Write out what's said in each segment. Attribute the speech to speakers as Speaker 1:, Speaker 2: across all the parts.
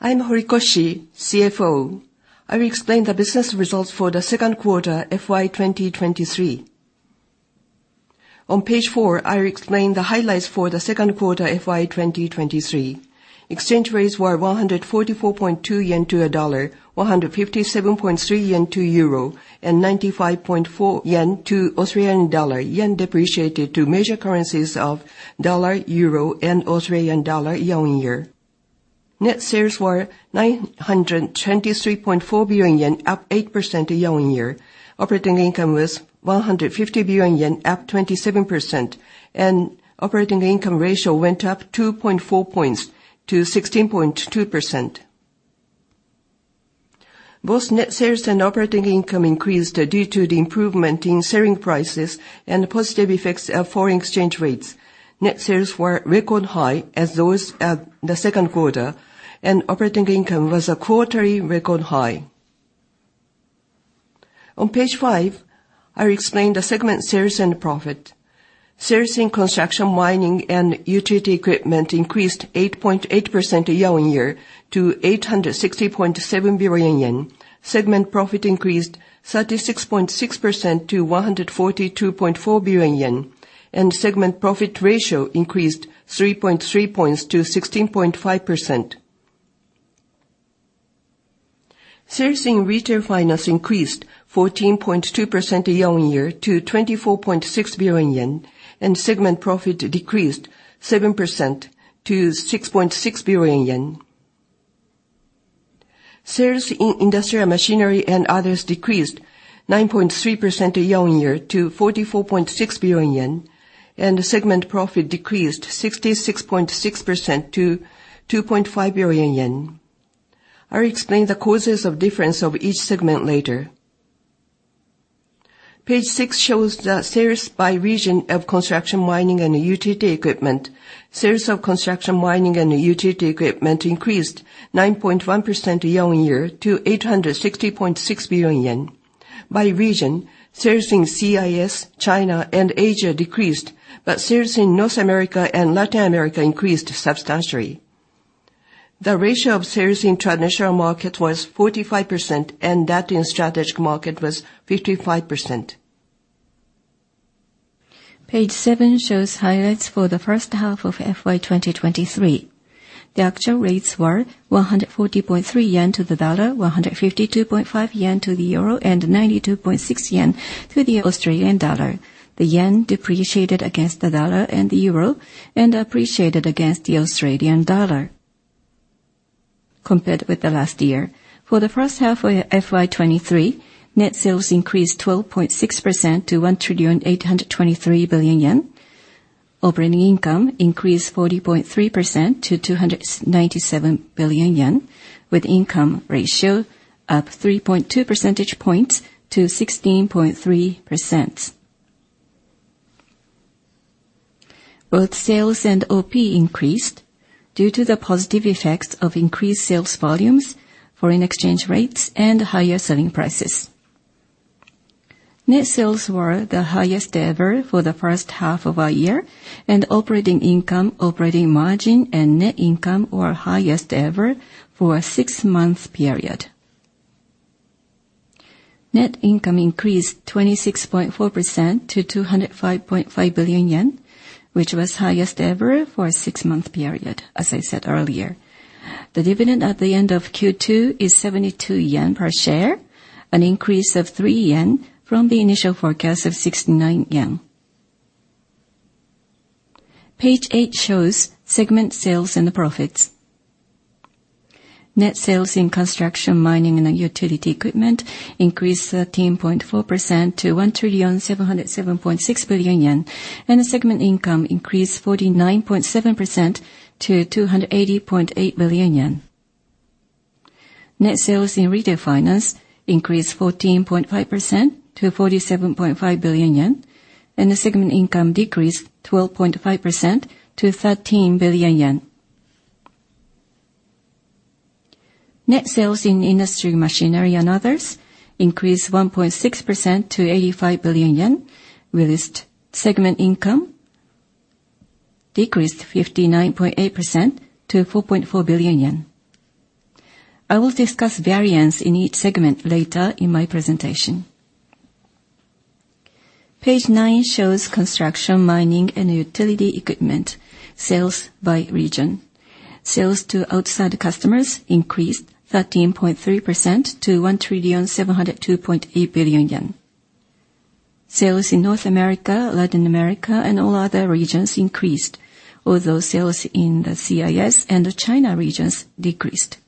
Speaker 1: I’m Horikoshi, CFO. I will explain the business results for the Second Quarter, FY 2023. On page four, I will explain the highlights for the second quarter, FY 2023. rates were 144.2 yen to a USD, JPY 157.3 to EUR, and JPY 95.4 to AUD. Yen depreciated to major currencies of dollar, euro, and Australian dollar year-on-year. Net sales were 923.4 billion yen, up 8% year-on-year. Operating income was 150 billion yen, up 27%, and operating income ratio went up 2.4 points to 16.2%. Both net sales and operating income increased due to the improvement in selling prices and the positive effects of foreign exchange rates. Net sales were record high as those at the second quarter, and operating income was a quarterly record high. On page five, I will explain the segment sales and profit. Sales in Construction, Mining, and Utility Equipment increased 8.8% year-on-year to 860.7 billion yen. Segment profit increased 36.6% to 142.4 billion yen, and segment profit ratio increased 3.3 points to 16.5%. Sales in Retail Finance increased 14.2% year-on-year to 24.6 billion yen, and segment profit decreased 7% to 6.6 billion yen. Sales in Industrial Machinery and Others decreased 9.3% year-on-year to 44.6 billion yen, and the segment profit decreased 66.6% to 2.5 billion yen. I will explain the causes of difference of each segment later. Page six shows the sales by region of Construction, Mining, and Utility Equipment. Sales of Construction, Mining, and Utility Equipment increased 9.1% year-on-year to 860.6 billion yen. By region, sales in CIS, China, and Asia decreased, but sales in North America and Latin America increased substantially. The ratio of sales in traditional market was 45%, and that in strategic market was 55%. Page seven shows highlights for the first half of FY 2023. The actual rates were 140.3 yen to the USD, JPY 152.5 to the EUR, and JPY 92.6 to the AUD. The yen depreciated against the dollar and the euro and appreciated against the Australian dollar compared with the last year. For the first half of FY 2023, net sales increased 12.6% to 1,823,000,000,000 yen. Operating income increased 40.3% to 297 billion yen, with income ratio up 3.2 percentage points to 16.3%. Both sales and OP increased due to the positive effects of increased sales volumes, foreign exchange rates, and higher selling prices. Net sales were the highest ever for the first half of our year, and operating income, operating margin, and net income were highest ever for a six-month period. Net income increased 26.4% to 205.5 billion yen, which was highest ever for a six-month period, as I said earlier. The dividend at the end of Q2 is 72 yen per share, an increase of 3 yen from the initial forecast of 69 yen. Page eight shows segment sales and the profits. Net sales in Construction, Mining, and Utility Equipment increased 13.4% to 1,707,600,000,000 yen, and the segment income increased 49.7% to 280.8 billion yen. Net sales in Retail Finance increased 14.5% to 47.5 billion yen, and the segment income decreased 12.5% to 13 billion yen. Net sales in Industrial Machinery and Others increased 1.6% to 85 billion yen, while segment income decreased 59.8% to 4.4 billion yen. I will discuss variance in each segment later in my presentation. Page nine shows Construction, Mining, and Utility Equipment sales by region. Sales to outside customers increased 13.3% to 1,702,800,000,000 yen. Sales in North America, Latin America, and all other regions increased, although sales in the CIS and the China regions decreased.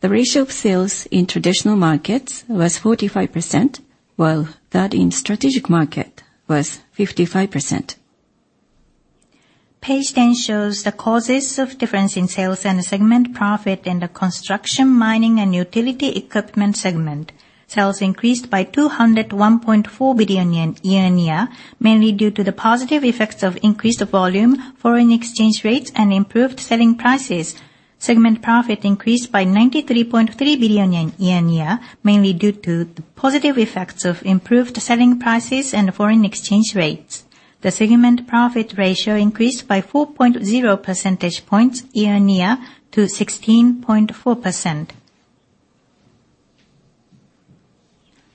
Speaker 1: The ratio of sales in traditional markets was 45%, while that in strategic market was 55%. Page 10 shows the causes of difference in sales and segment profit in the Construction, Mining, and Utility Equipment segment. Sales increased by 201.4 billion yen year-on-year, mainly due to the positive effects of increased volume, foreign exchange rates, and improved selling prices. Segment profit increased by 93.3 billion yen year-on-year, mainly due to the positive effects of improved selling prices and foreign exchange rates... The segment profit ratio increased by 4.0 percentage points year-on-year to 16.4%.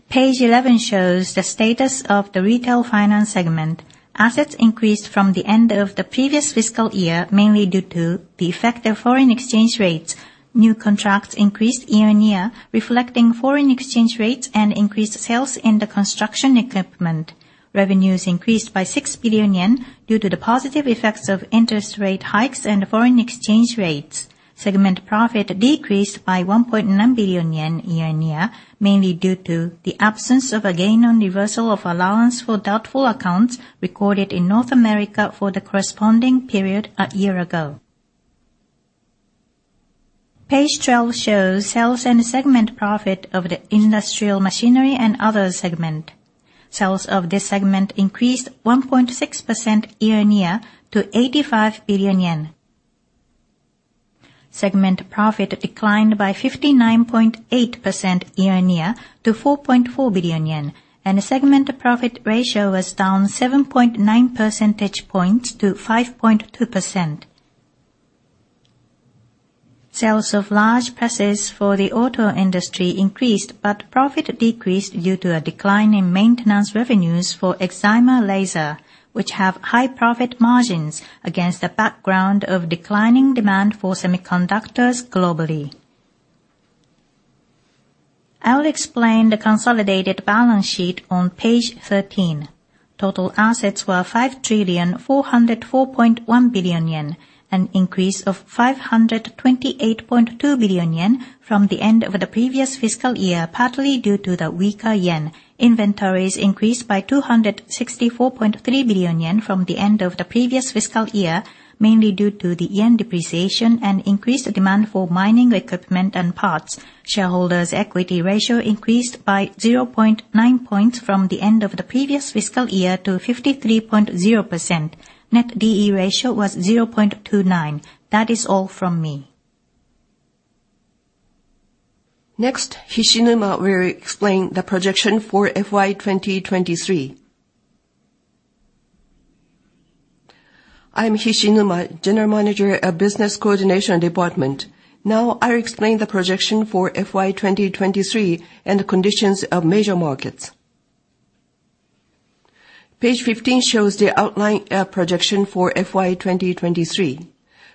Speaker 1: Page 11 shows the status of the Retail Finance segment. Assets increased from the end of the previous fiscal year, mainly due to the effect of foreign exchange rates. New contracts increased year-on-year, reflecting foreign exchange rates and increased sales in the construction equipment. Revenues increased by 6 billion yen, due to the positive effects of interest rate hikes and foreign exchange rates. Segment profit decreased by 1.9 billion yen year-on-year, mainly due to the absence of a gain on reversal of allowance for doubtful accounts recorded in North America for the corresponding period a year ago. Page 12 shows sales and segment profit of the Industrial Machinery & Others segment. Sales of this segment increased 1.6% year-on-year to 85 billion yen. Segment profit declined by 59.8% year-on-year to 4.4 billion yen, and the segment profit ratio was down 7.9 percentage points to 5.2%. Sales of large presses for the auto industry increased, but profit decreased due to a decline in maintenance revenues for excimer laser, which have high profit margins against the background of declining demand for semiconductors globally. I'll explain the consolidated balance sheet on page 13. Total assets were 5,404,100,000,000 yen, an increase of 528.2 billion yen from the end of the previous fiscal year, partly due to the weaker yen. Inventories increased by 264.3 billion yen from the end of the previous fiscal year, mainly due to the yen depreciation and increased demand for mining equipment and parts. Shareholders' equity ratio increased by 0.9 points from the end of the previous fiscal year to 53.0%. Net D/E ratio was 0.29. That is all from me. Next, Hishinuma will explain the projection for FY 2023.
Speaker 2: I'm Hishinuma, General Manager of Business Coordination Department. Now, I'll explain the projection for FY 2023 and the conditions of major markets. Page 15 shows the outline, projection for FY 2023.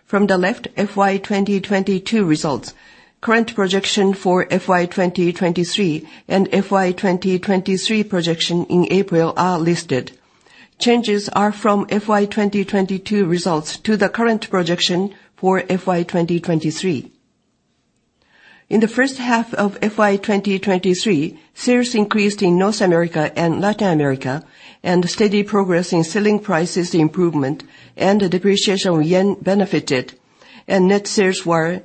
Speaker 2: From the left, FY 2022 results, current projection for FY 2023, and FY 2023 projection in April are listed. Changes are from FY 2022 results to the current projection for FY 2023. In the first half of FY 2023, sales increased in North America and Latin America, and steady progress in selling prices improvement and the depreciation of yen benefited. Net sales were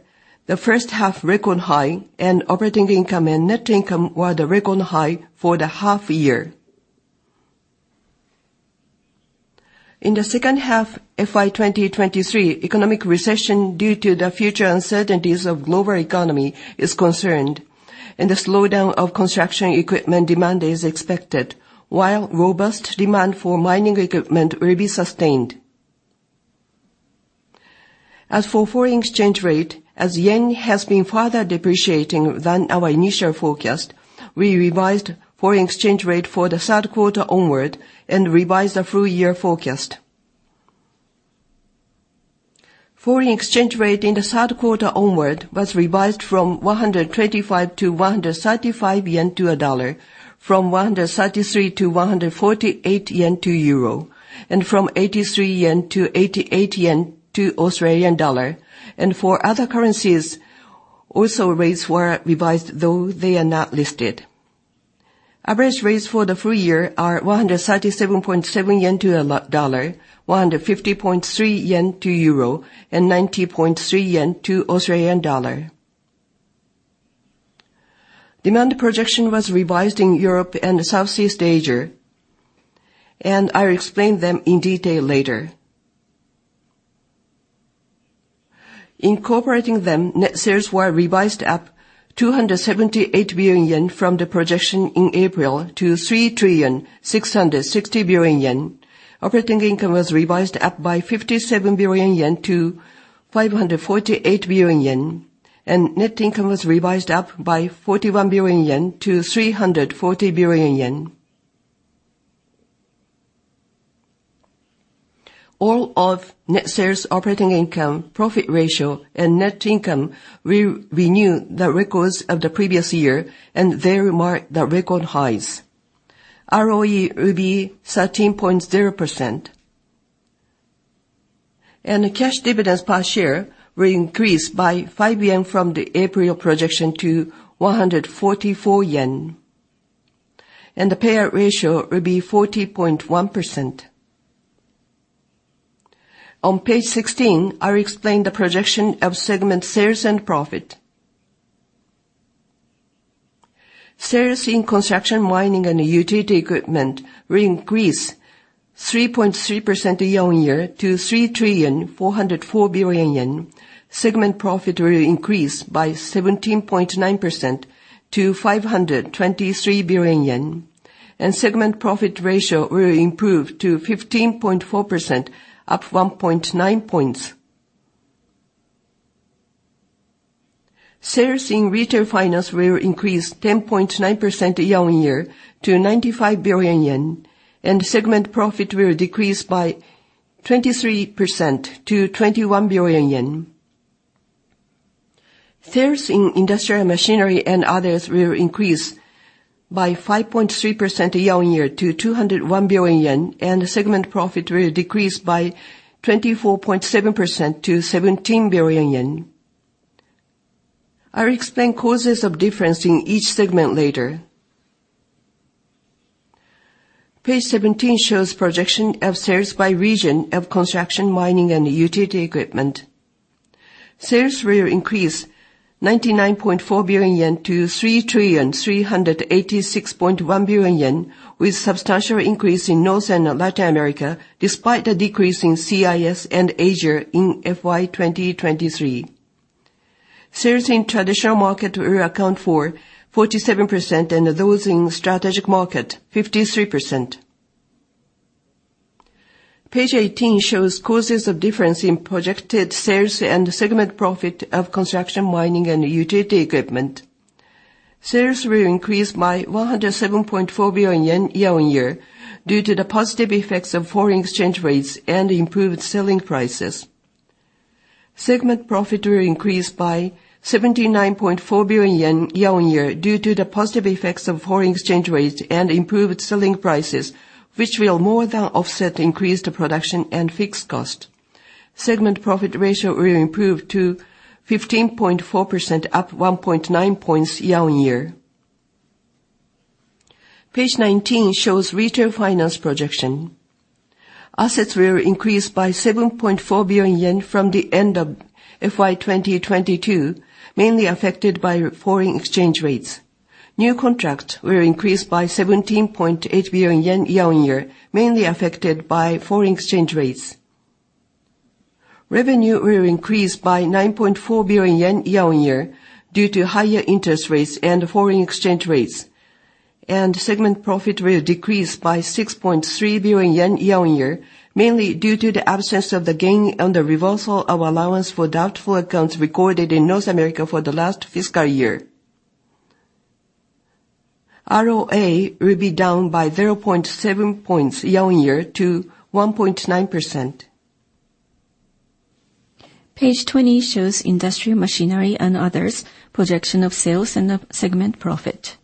Speaker 2: the first half record high, and operating income and net income were the record high for the half year. In the second half, FY 2023, economic recession due to the future uncertainties of global economy is concerned, and the slowdown of construction equipment demand is expected, while robust demand for mining equipment will be sustained. As for foreign exchange rate, as yen has been further depreciating than our initial forecast, we revised foreign exchange rate for the third quarter onward and revised the full year forecast. Foreign exchange rate in the third quarter onward was revised from 125-135 yen to a USD, from JPY 133-JPY 148 to EUR, and from 83-88 yen to AUD. For other currencies, also rates were revised, though they are not listed. Average rates for the full year are 137.7 yen to the USD, JPY 150.3 to the EUR, and JPY 90.3 to the AUD. Demand projection was revised in Europe and Southeast Asia, and I'll explain them in detail later. Incorporating them, net sales were revised up 278 billion yen from the projection in April, to 3,660 billion yen. Operating income was revised up by 57 billion-548 billion yen, and net income was revised up by 41 billion-340 billion yen. All of net sales, operating income, profit ratio, and net income renew the records of the previous year, and they mark the record highs. ROE will be 13.0%. Cash dividends per share will increase by 5 yen from the April projection to 144 yen, and the payout ratio will be 40.1%. On page 16, I'll explain the projection of segment sales and profit. Sales in Construction, Mining, and Utility Equipment will increase 3.3% year-on-year to 3,404,000,000,000 yen. Segment profit will increase by 17.9% to 523 billion yen. And segment profit ratio will improve to 15.4%, up 1.9 points.... Sales in Retail Finance will increase 10.9% year-on-year to 95 billion yen, and segment profit will decrease by 23% to 21 billion yen. Sales in Industrial Machinery and Others will increase by 5.3% year-on-year to 201 billion yen, and the segment profit will decrease by 24.7% to 17 billion yen. I'll explain causes of difference in each segment later. Page 17 shows projection of sales by region of Construction, Mining, and Utility Equipment. Sales will increase 99.4 billion-3,386,100,000,000 yen, with substantial increase in North America and Latin America, despite a decrease in CIS and Asia in FY 2023. Sales in traditional market will account for 47%, and those in strategic market, 53%. Page 18 shows causes of difference in projected sales and segment profit of Construction, Mining, and Utility Equipment. Sales will increase by 107.4 billion yen year-on-year, due to the positive effects of foreign exchange rates and improved selling prices. Segment profit will increase by 79.4 billion yen year-on-year, due to the positive effects of foreign exchange rates and improved selling prices, which will more than offset increased production and fixed cost. Segment profit ratio will improve to 15.4%, up 1.9 points year-on-year. Page 19 shows retail finance projection. Assets will increase by 7.4 billion yen from the end of FY 2022, mainly affected by foreign exchange rates. New contracts will increase by 17.8 billion yen year-on-year, mainly affected by foreign exchange rates. Revenue will increase by 9.4 billion yen year-on-year, due to higher interest rates and foreign exchange rates, and segment profit will decrease by 6.3 billion yen year-on-year, mainly due to the absence of the gain on the reversal of allowance for doubtful accounts recorded in North America for the last fiscal year. ROA will be down by 0.7 points year-on-year to 1.9%. Page 20 shows Industrial Machinery and Others, projection of sales and of segment profit.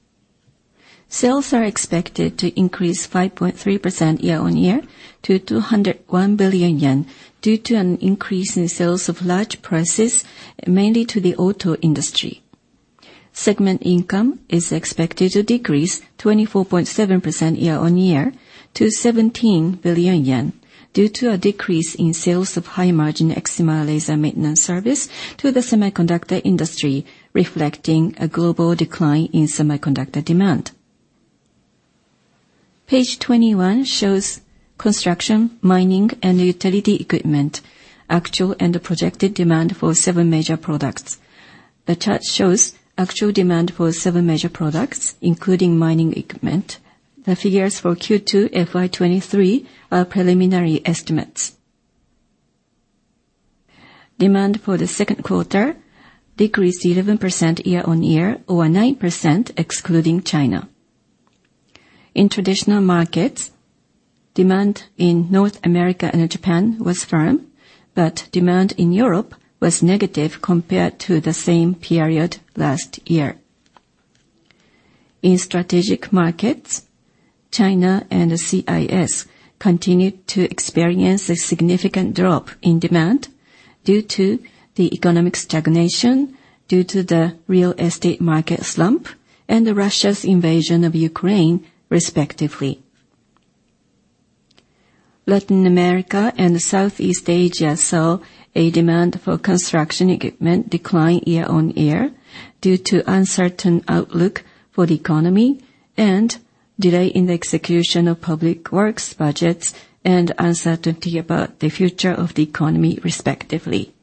Speaker 2: Sales are expected to increase 5.3% year-on-year to 201 billion yen, due to an increase in sales of large presses, mainly to the auto industry. Segment income is expected to decrease 24.7% year-on-year to 17 billion yen, due to a decrease in sales of high-margin excimer laser maintenance service to the semiconductor industry, reflecting a global decline in semiconductor demand. Page 21 shows Construction, Mining, and Utility Equipment, actual and projected demand for seven major products. The chart shows actual demand for seven major products, including mining equipment. The figures for Q2 FY2023 are preliminary estimates. Demand for the second quarter decreased 11% year-on-year, or 9% excluding China. In traditional markets, demand in North America and Japan was firm, but demand in Europe was negative compared to the same period last year. In strategic markets, China and CIS continued to experience a significant drop in demand due to the economic stagnation, due to the real estate market slump, and Russia's invasion of Ukraine, respectively. Latin America and Southeast Asia saw a demand for construction equipment decline year-on-year, due to uncertain outlook for the economy and delay in the execution of public works budgets and uncertainty about the future of the economy, respectively.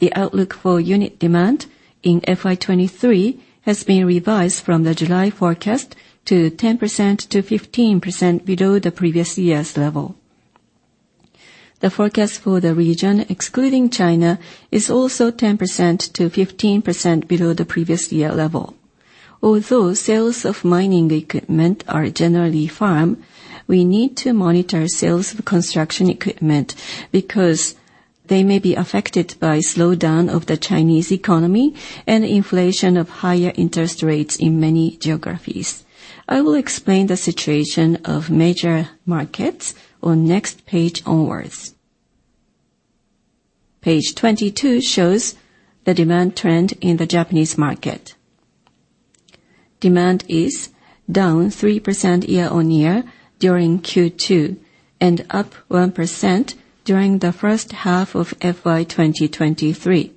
Speaker 2: The outlook for unit demand in FY 2023 has been revised from the July forecast to 10%-15% below the previous year's level. The forecast for the region, excluding China, is also 10%-15% below the previous year level. Although sales of mining equipment are generally firm, we need to monitor sales of construction equipment, because they may be affected by slowdown of the Chinese economy and inflation of higher interest rates in many geographies. I will explain the situation of major markets on next page onwards. Page 22 shows the demand trend in the Japanese market. Demand is down 3% year-on-year during Q2 and up 1% during the first half of FY 2023.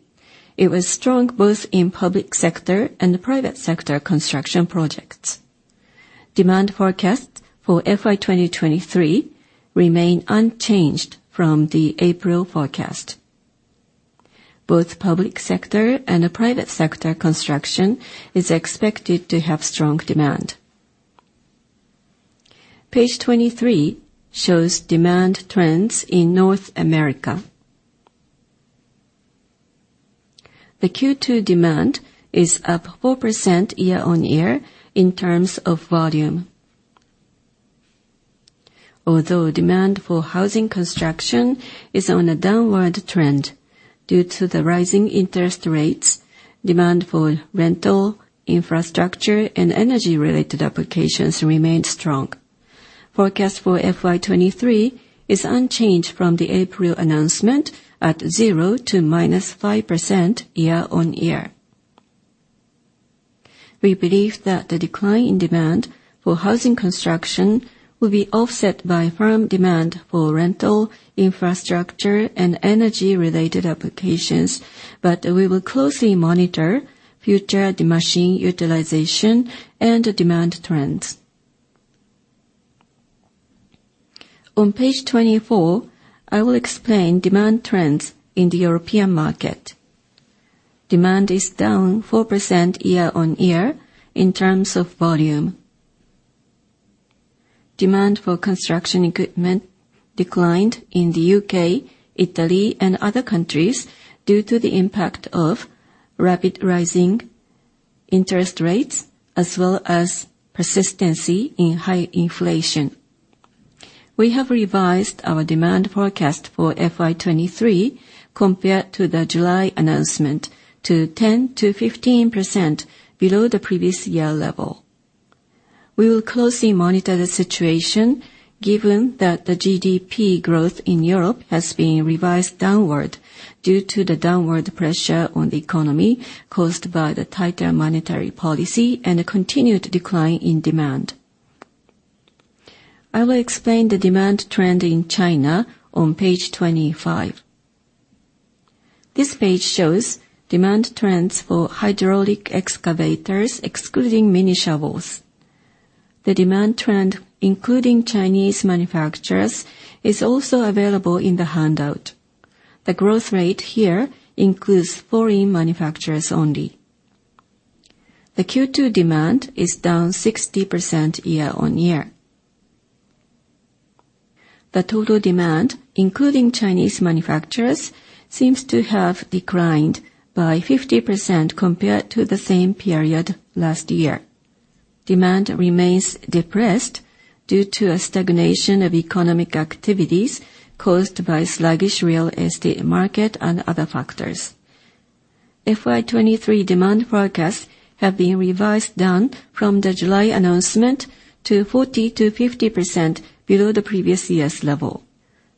Speaker 2: It was strong both in public sector and private sector construction projects. Demand forecast for FY 2023 remain unchanged from the April forecast. Both public sector and private sector construction is expected to have strong demand. Page 23 shows demand trends in North America. The Q2 demand is up 4% year-on-year in terms of volume. Although demand for housing construction is on a downward trend due to the rising interest rates, demand for rental, infrastructure, and energy-related applications remained strong. Forecast for FY 2023 is unchanged from the April announcement at 0% to -5% year-on-year. We believe that the decline in demand for housing construction will be offset by firm demand for rental, infrastructure, and energy-related applications, but we will closely monitor future machine utilization and demand trends. On page 24, I will explain demand trends in the European market. Demand is down 4% year-on-year in terms of volume. Demand for construction equipment declined in the U.K., Italy, and other countries due to the impact of rapid rising interest rates, as well as persistence in high inflation. We have revised our demand forecast for FY 2023 compared to the July announcement to 10%-15% below the previous year level. We will closely monitor the situation, given that the GDP growth in Europe has been revised downward due to the downward pressure on the economy caused by the tighter monetary policy and a continued decline in demand. I will explain the demand trend in China on page 25. This page shows demand trends for hydraulic excavators, excluding mini shovels. The demand trend, including Chinese manufacturers, is also available in the handout. The growth rate here includes foreign manufacturers only. The Q2 demand is down 60% year-on-year. The total demand, including Chinese manufacturers, seems to have declined by 50% compared to the same period last year. Demand remains depressed due to a stagnation of economic activities caused by sluggish real estate market and other factors. FY 2023 demand forecasts have been revised down from the July announcement to 40%-50% below the previous year's level.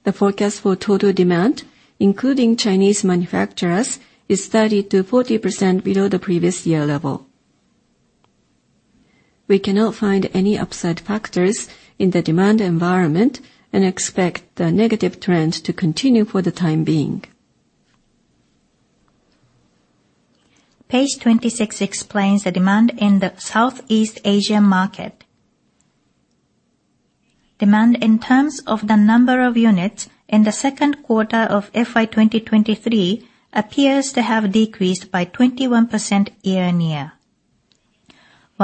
Speaker 2: The forecast for total demand, including Chinese manufacturers, is 30%-40% below the previous year level. We cannot find any upside factors in the demand environment and expect the negative trend to continue for the time being. Page 26 explains the demand in the Southeast Asian market. Demand in terms of the number of units in the second quarter of FY 2023 appears to have decreased by 21% year-on-year.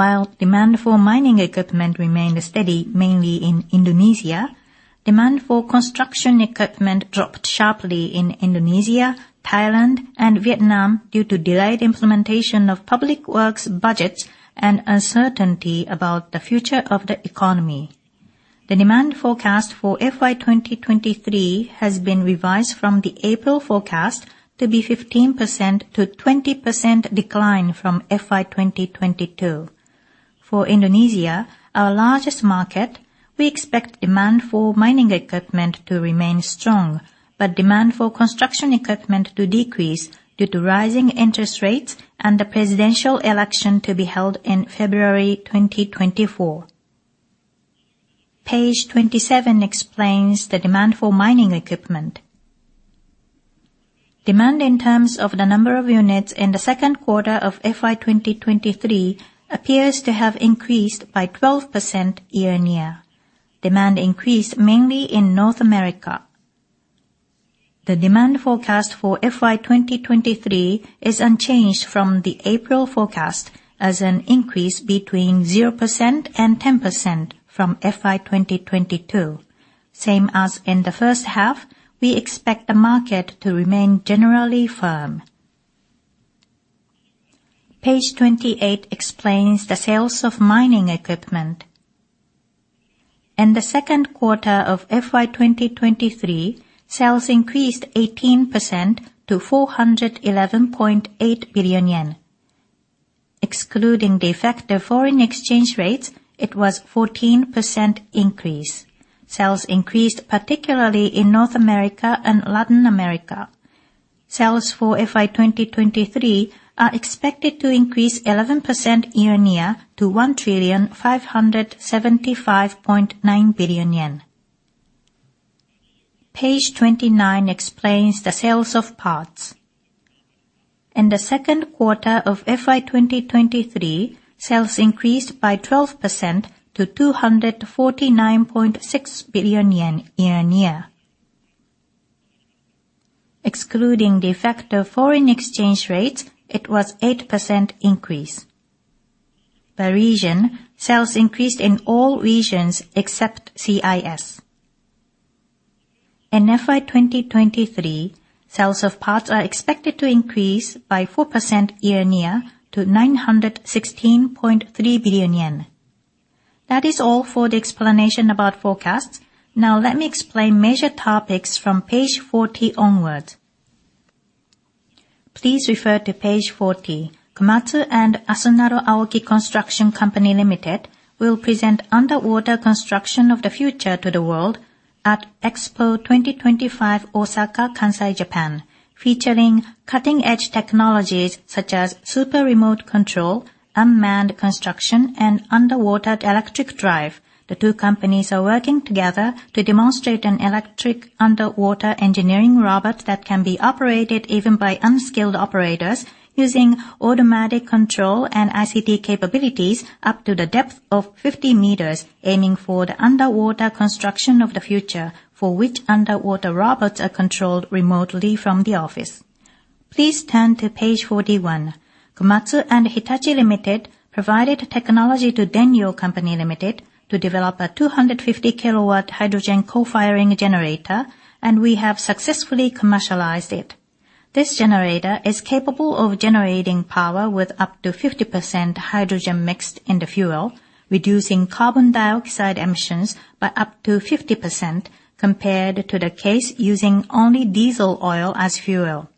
Speaker 2: While demand for mining equipment remained steady, mainly in Indonesia, demand for construction equipment dropped sharply in Indonesia, Thailand, and Vietnam due to delayed implementation of public works budgets and uncertainty about the future of the economy. The demand forecast for FY 2023 has been revised from the April forecast to be 15%-20% decline from FY 2022. For Indonesia, our largest market, we expect demand for mining equipment to remain strong, but demand for construction equipment to decrease due to rising interest rates and the presidential election to be held in February 2024. Page 27 explains the demand for mining equipment. Demand in terms of the number of units in the second quarter of FY 2023 appears to have increased by 12% year-on-year. Demand increased mainly in North America. The demand forecast for FY 2023 is unchanged from the April forecast as an increase between 0% and 10% from FY 2022. Same as in the first half, we expect the market to remain generally firm. Page 28 explains the sales of mining equipment. In the second quarter of FY 2023, sales increased 18% to 411.8 billion yen. Excluding the effect of foreign exchange rates, it was 14% increase. Sales increased, particularly in North America and Latin America. Sales for FY 2023 are expected to increase 11% year-on-year to JPY 1,575,900,000,000. Page 29 explains the sales of parts. In the second quarter of FY 2023, sales increased by 12% to 249.6 billion yen year-on-year, excluding the effect of foreign exchange rates, it was 8% increase. By region, sales increased in all regions except CIS. In FY 2023, sales of parts are expected to increase by 4% year-on-year to 916.3 billion yen. That is all for the explanation about forecasts. Now let me explain major topics from page 40 onwards. Please refer to page 40. Komatsu and Asunaro Aoki Construction Co., Ltd. will present underwater construction of the future to the world at Expo 2025, Osaka, Kansai, Japan, featuring cutting-edge technologies such as super remote control, unmanned construction, and underwater electric drive. The two companies are working together to demonstrate an electric underwater engineering robot that can be operated even by unskilled operators, using automatic control and ICT capabilities up to the depth of 50 m, aiming for the underwater construction of the future, for which underwater robots are controlled remotely from the office. Please turn to page 41. Komatsu and Hitachi, Ltd. provided technology to Denyo Co., Ltd. to develop a 250 kW hydrogen co-firing generator, and we have successfully commercialized it. This generator is capable of generating power with up to 50% hydrogen mixed in the fuel, reducing carbon dioxide emissions by up to 50% compared to the case using only diesel oil as fuel.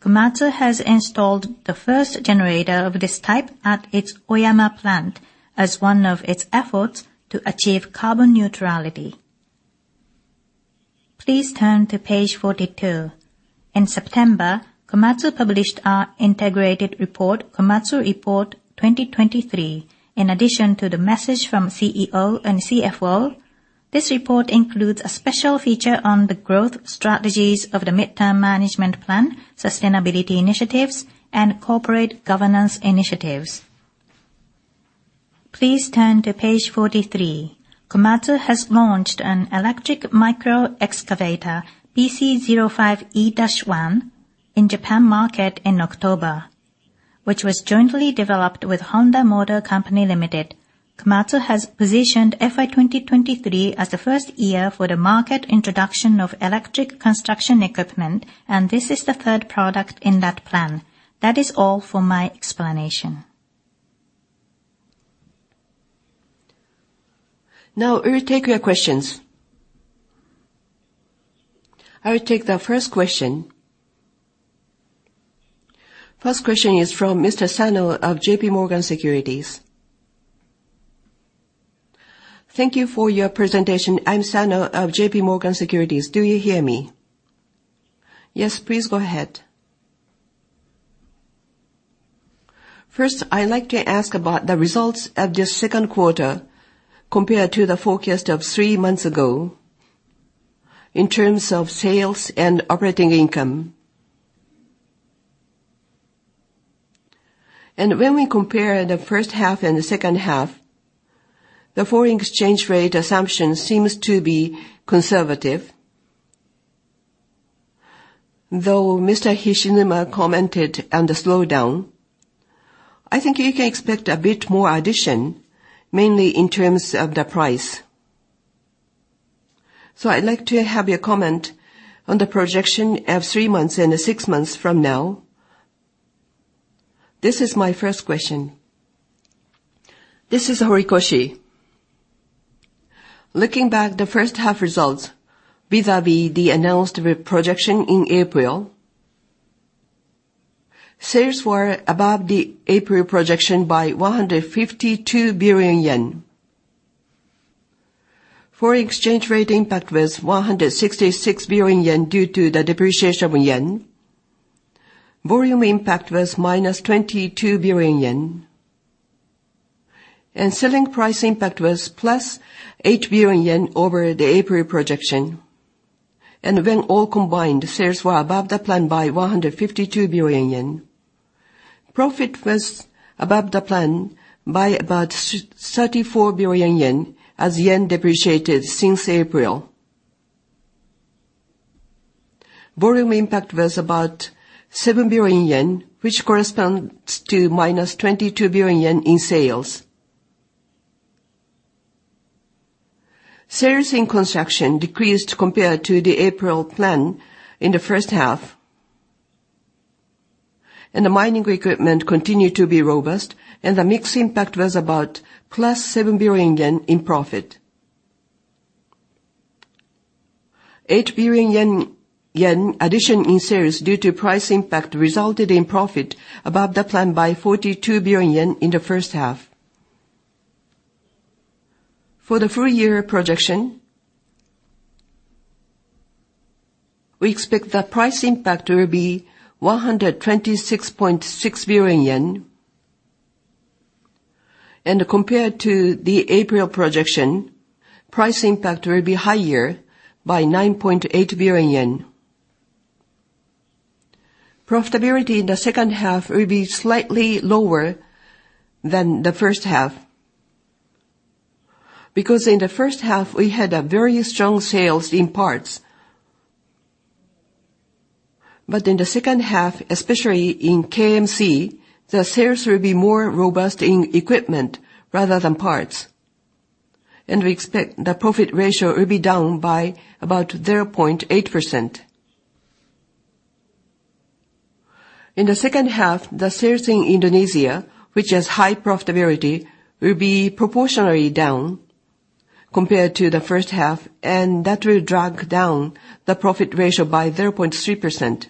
Speaker 2: Komatsu has installed the first generator of this type at its Oyama Plant as one of its efforts to achieve carbon neutrality. Please turn to page 42. In September, Komatsu published our integrated report, Komatsu Report 2023. In addition to the message from CEO and CFO, this report includes a special feature on the growth strategies of the mid-term management plan, sustainability initiatives, and corporate governance initiatives. Please turn to page 43. Komatsu has launched an electric micro excavator, PC05E-1, in Japan market in October, which was jointly developed with Honda Motor Co., Ltd. Komatsu has positioned FY 2023 as the first year for the market introduction of electric construction equipment, and this is the third product in that plan. That is all for my explanation.
Speaker 3: Now we will take your questions. I will take the first question. First question is from Mr. Sano of JPMorgan Securities.
Speaker 4: Thank you for your presentation. I'm Sano of JPMorgan Securities. Do you hear me?
Speaker 3: Yes, please go ahead.
Speaker 4: First, I'd like to ask about the results of the second quarter compared to the forecast of three months ago in terms of sales and operating income. When we compare the first half and the second half, the foreign exchange rate assumption seems to be conservative. Though Mr. Hishinuma commented on the slowdown, I think you can expect a bit more addition, mainly in terms of the price. So I'd like to have your comment on the projection of three months and six months from now. This is my first question.
Speaker 1: This is Horikoshi. Looking back, the first half results vis-à-vis the announced projection in April, sales were above the April projection by 152 billion yen. Foreign exchange rate impact was 166 billion yen due to the depreciation of yen. Volume impact was -22 billion yen, and selling price impact was +8 billion yen over the April projection. When all combined, sales were above the plan by 152 billion yen. Profit was above the plan by about 34 billion yen, as yen depreciated since April. Volume impact was about 7 billion yen, which corresponds to -22 billion yen in sales. Sales in construction decreased compared to the April plan in the first half, and the mining equipment continued to be robust, and the mix impact was about +7 billion yen in profit. 8 billion yen addition in sales due to price impact resulted in profit above the plan by 42 billion yen in the first half. For the full year projection, we expect the price impact to be 126.6 billion yen. Compared to the April projection, price impact will be higher by 9.8 billion yen. Profitability in the second half will be slightly lower than the first half, because in the first half, we had a very strong sales in parts. But in the second half, especially in KMC, the sales will be more robust in equipment rather than parts, and we expect the profit ratio will be down by about 0.8%. In the second half, the sales in Indonesia, which has high profitability, will be proportionally down compared to the first half, and that will drag down the profit ratio by 0.3%.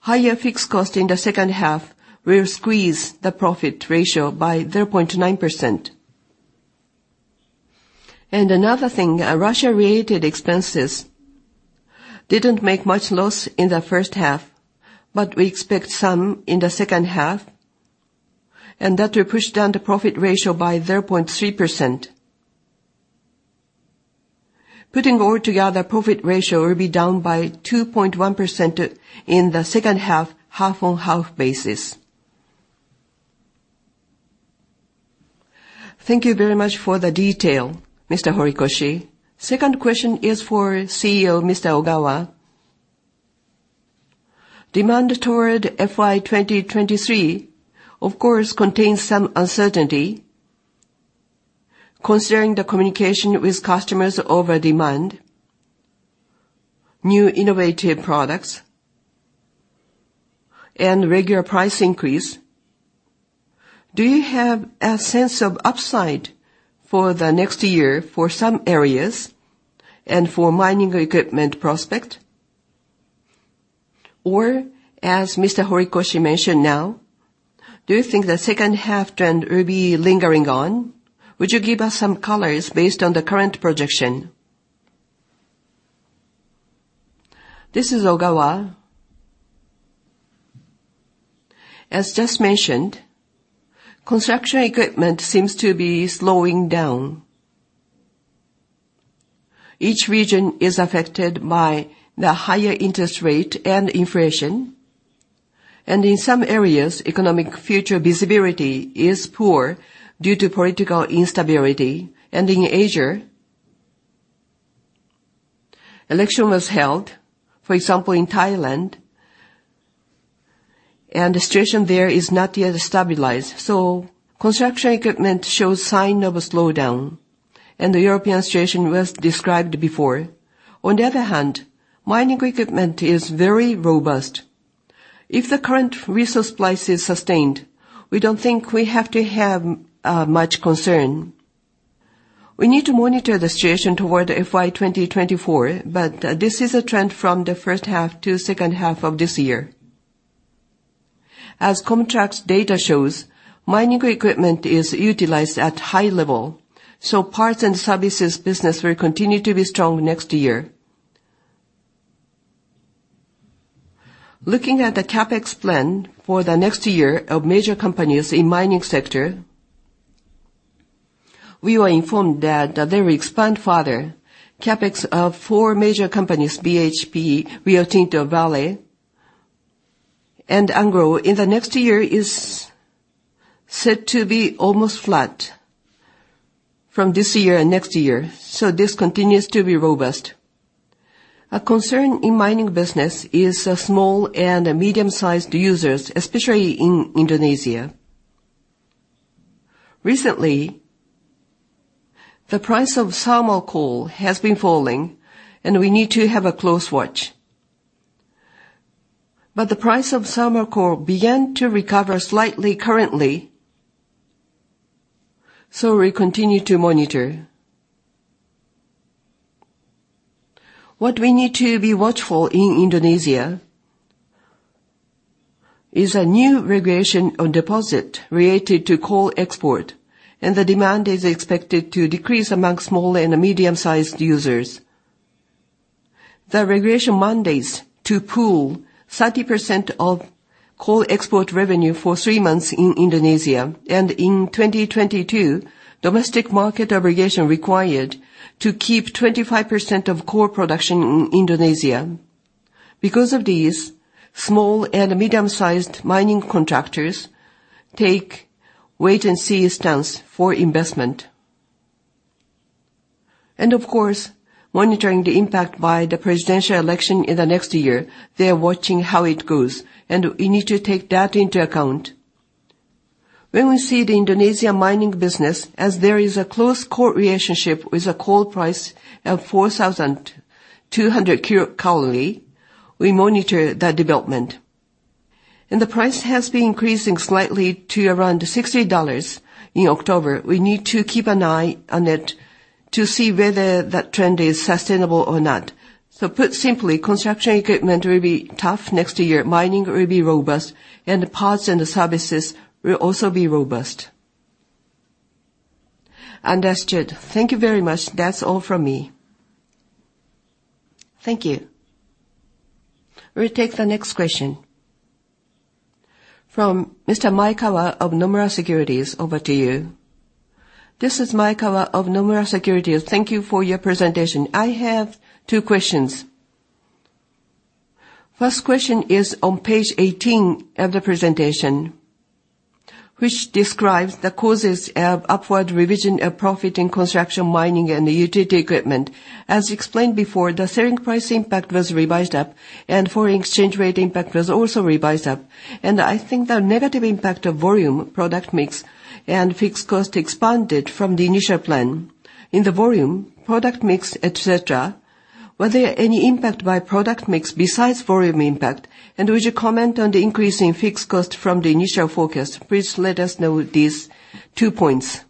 Speaker 1: Higher fixed cost in the second half will squeeze the profit ratio by 0.9%. And another thing, Russia-related expenses didn't make much loss in the first half, but we expect some in the second half, and that will push down the profit ratio by 0.3%. Putting all together, profit ratio will be down by 2.1% in the second half, half-on-half basis.
Speaker 4: Thank you very much for the detail, Mr. Horikoshi. Second question is for CEO, Mr. Ogawa. Demand toward FY 2023, of course, contains some uncertainty. Considering the communication with customers over demand, new innovative products, and regular price increase, do you have a sense of upside for the next year for some areas and for mining equipment prospect? Or, as Mr. Horikoshi mentioned now, do you think the second half trend will be lingering on? Would you give us some colors based on the current projection?
Speaker 5: This is Ogawa. As just mentioned, construction equipment seems to be slowing down. Each region is affected by the higher interest rate and inflation, and in some areas, economic future visibility is poor due to political instability. And in Asia, election was held, for example, in Thailand, and the situation there is not yet stabilized. So construction equipment shows sign of a slowdown, and the European situation was described before. On the other hand, mining equipment is very robust. If the current resource price is sustained, we don't think we have to have much concern. We need to monitor the situation toward FY 2024, but this is a trend from the first half to second half of this year. As contracts data shows, mining equipment is utilized at high level, so parts and services business will continue to be strong next year. Looking at the CapEx plan for the next year of major companies in mining sector, we were informed that they will expand further. CapEx of four major companies, BHP, Rio Tinto, Vale, and Anglo, in the next year is set to be almost flat from this year and next year, so this continues to be robust. A concern in mining business is small and medium-sized users, especially in Indonesia. Recently, the price of thermal coal has been falling, and we need to have a close watch. But the price of thermal coal began to recover slightly currently, so we continue to monitor. What we need to be watchful in Indonesia is a new regulation on deposit related to coal export, and the demand is expected to decrease amongst small and medium-sized users. The regulation mandates to pool 30% of coal export revenue for three months in Indonesia, and in 2022, Domestic Market Obligation required to keep 25% of coal production in Indonesia. Because of this, small and medium-sized mining contractors take wait-and-see stance for investment. And of course, monitoring the impact by the presidential election in the next year, they are watching how it goes, and we need to take that into account. When we see the Indonesia mining business, as there is a close coal relationship with the coal price of 4,200 quarterly, we monitor the development. The price has been increasing slightly to around $60 in October. We need to keep an eye on it to see whether that trend is sustainable or not. So put simply, construction equipment will be tough next year. Mining will be robust, and the parts and the services will also be robust.
Speaker 4: Understood. Thank you very much. That's all from me.
Speaker 3: Thank you. We'll take the next question. From Mr. Maekawa of Nomura Securities, over to you.
Speaker 6: This is Maekawa of Nomura Securities. Thank you for your presentation. I have two questions. First question is on page 18 of the presentation, which describes the causes of upward revision of profit in Construction, Mining, and Utility Equipment. As explained before, the selling price impact was revised up, and foreign exchange rate impact was also revised up. I think the negative impact of volume, product mix, and fixed cost expanded from the initial plan. In the volume, product mix, et cetera, were there any impact by product mix besides volume impact? And would you comment on the increase in fixed cost from the initial forecast? Please let us know these two points.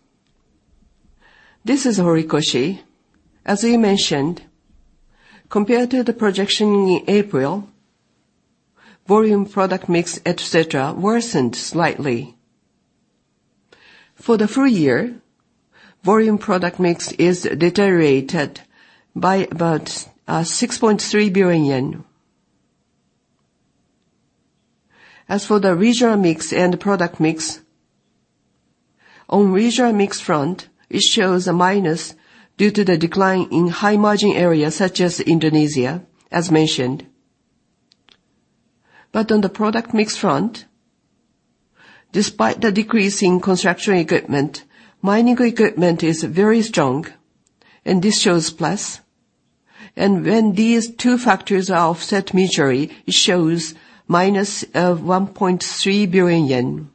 Speaker 1: This is Horikoshi. As you mentioned, compared to the projection in April, volume product mix, et cetera, worsened slightly. For the full year, volume product mix is deteriorated by about JPY 6.3 billion. As for the regional mix and product mix, on regional mix front, it shows a minus due to the decline in high-margin areas such as Indonesia, as mentioned. But on the product mix front, despite the decrease in construction equipment, mining equipment is very strong, and this shows plus. And when these two factors are offset mutually, it shows -1.3 billion yen.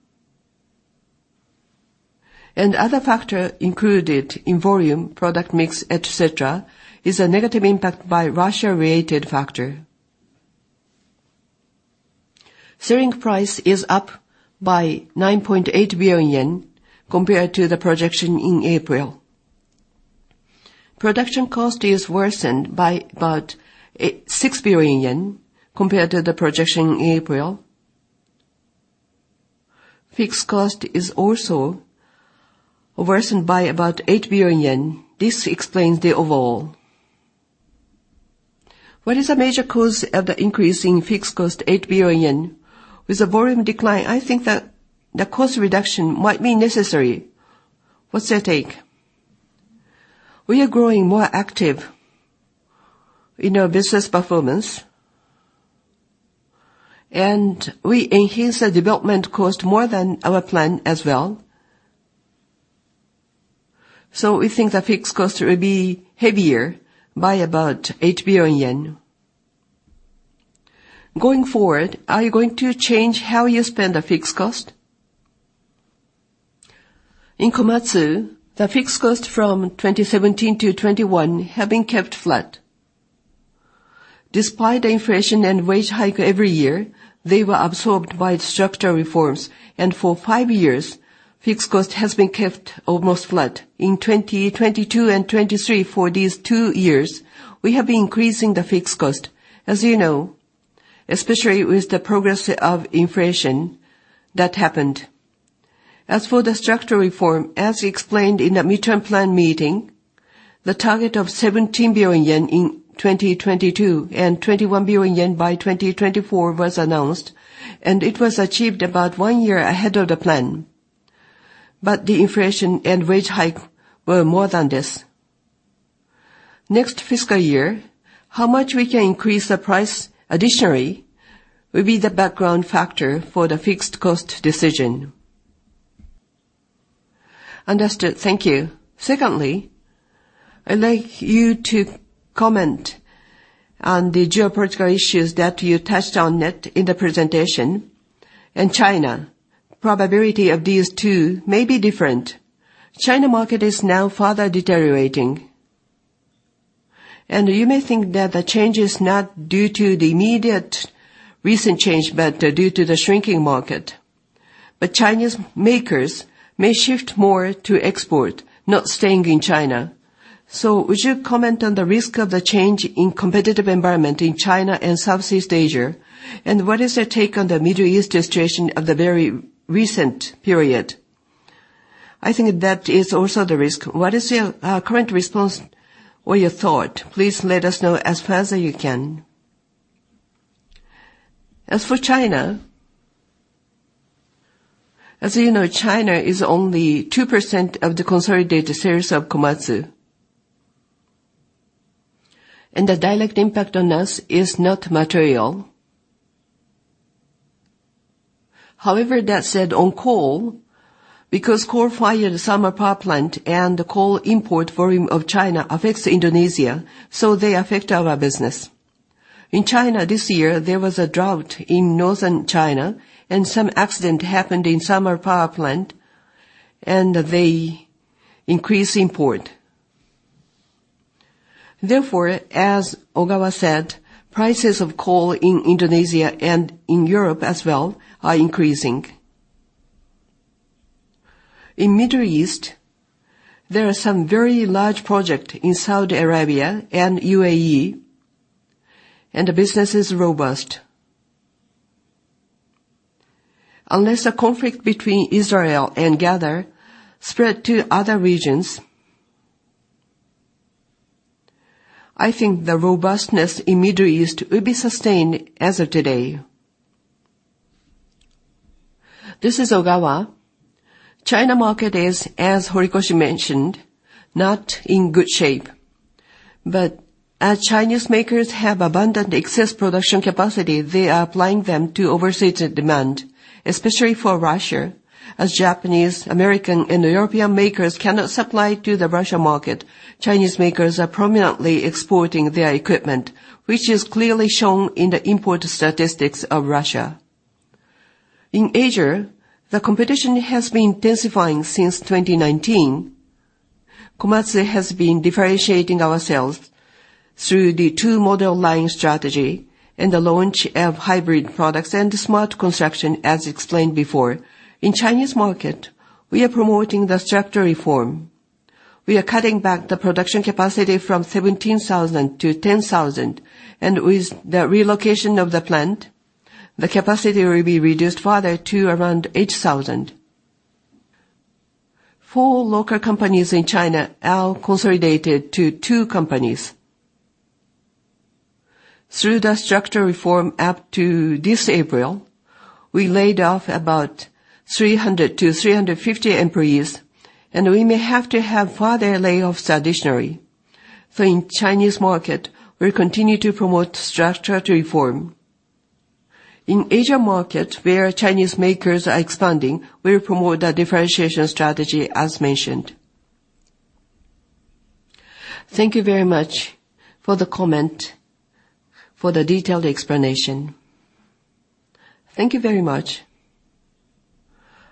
Speaker 1: And other factor included in volume, product mix, et cetera, is a negative impact by Russia-related factor. Selling price is up by 9.8 billion yen compared to the projection in April. Production cost is worsened by about 6 billion yen compared to the projection in April. Fixed cost is also worsened by about 8 billion yen. This explains the overall.
Speaker 6: What is the major cause of the increase in fixed cost, 8 billion yen? With the volume decline, I think that the cost reduction might be necessary. What's your take?
Speaker 1: We are growing more active in our business performance, and we enhanced the development cost more than our plan as well. So we think the fixed cost will be heavier by about 8 billion yen.
Speaker 6: Going forward, are you going to change how you spend the fixed cost?
Speaker 1: In Komatsu, the fixed cost from 2017-2021 have been kept flat. Despite inflation and wage hike every year, they were absorbed by structural reforms, and for five years, fixed cost has been kept almost flat. In 2022 and 2023, for these two years, we have been increasing the fixed cost, as you know, especially with the progress of inflation that happened. As for the structural reform, as explained in the midterm plan meeting, the target of 17 billion yen in 2022 and 21 billion yen by 2024 was announced, and it was achieved about one year ahead of the plan. But the inflation and wage hike were more than this. Next fiscal year, how much we can increase the price additionally will be the background factor for the fixed cost decision.
Speaker 6: Understood. Thank you. Secondly, I'd like you to comment on the geopolitical issues that you touched on it in the presentation, and China. Probability of these two may be different. China market is now further deteriorating, and you may think that the change is not due to the immediate recent change, but due to the shrinking market. But Chinese makers may shift more to export, not staying in China. So would you comment on the risk of the change in competitive environment in China and Southeast Asia? And what is your take on the Middle East situation of the very recent period? I think that is also the risk. What is your current response or your thought? Please let us know as far as you can.
Speaker 1: As for China, as you know, China is only 2% of the consolidated sales of Komatsu. And the direct impact on us is not material. However, that said, on coal, because coal-fired thermal power plant and the coal import volume of China affects Indonesia, so they affect our business. In China this year, there was a drought in Northern China, and some accident happened in thermal power plant, and they increased import. Therefore, as Ogawa said, prices of coal in Indonesia and in Europe as well are increasing. In the Middle East, there are some very large projects in Saudi Arabia and UAE, and the business is robust. Unless a conflict between Israel and Gaza spreads to other regions, I think the robustness in the Middle East will be sustained as of today.
Speaker 5: This is Ogawa. The China market is, as Horikoshi mentioned, not in good shape, but as Chinese makers have abundant excess production capacity, they are applying them to overseas demand, especially for Russia. As Japanese, American, and European makers cannot supply to the Russia market, Chinese makers are prominently exporting their equipment, which is clearly shown in the import statistics of Russia. In Asia, the competition has been intensifying since 2019. Komatsu has been differentiating ourselves through the two model line strategy and the launch of hybrid products and Smart Construction, as explained before. In the Chinese market, we are promoting the structure reform. We are cutting back the production capacity from 17,000-10,000, and with the relocation of the plant, the capacity will be reduced further to around 8,000. Four local companies in China are consolidated to two companies. Through the structural reform up to this April, we laid off about 300-350 employees, and we may have to have further layoffs additionally. So in Chinese market, we'll continue to promote structural reform. In Asian market, where Chinese makers are expanding, we'll promote the differentiation strategy, as mentioned.
Speaker 6: Thank you very much for the comment, for the detailed explanation.
Speaker 3: Thank you very much.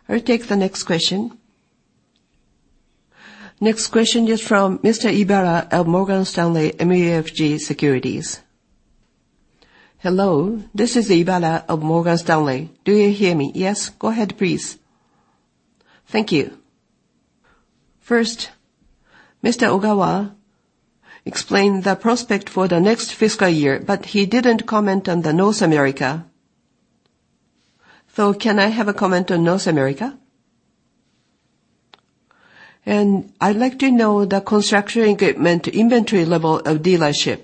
Speaker 3: I'll take the next question. Next question is from Mr. Ibara of Morgan Stanley MUFG Securities.
Speaker 7: Hello, this is Ibara of Morgan Stanley. Do you hear me?
Speaker 3: Yes, go ahead, please.
Speaker 7: Thank you. First, Mr. Ogawa explained the prospects for the next fiscal year, but he didn't comment on North America. Can I have a comment on North America? I'd like to know the construction equipment inventory level of dealerships,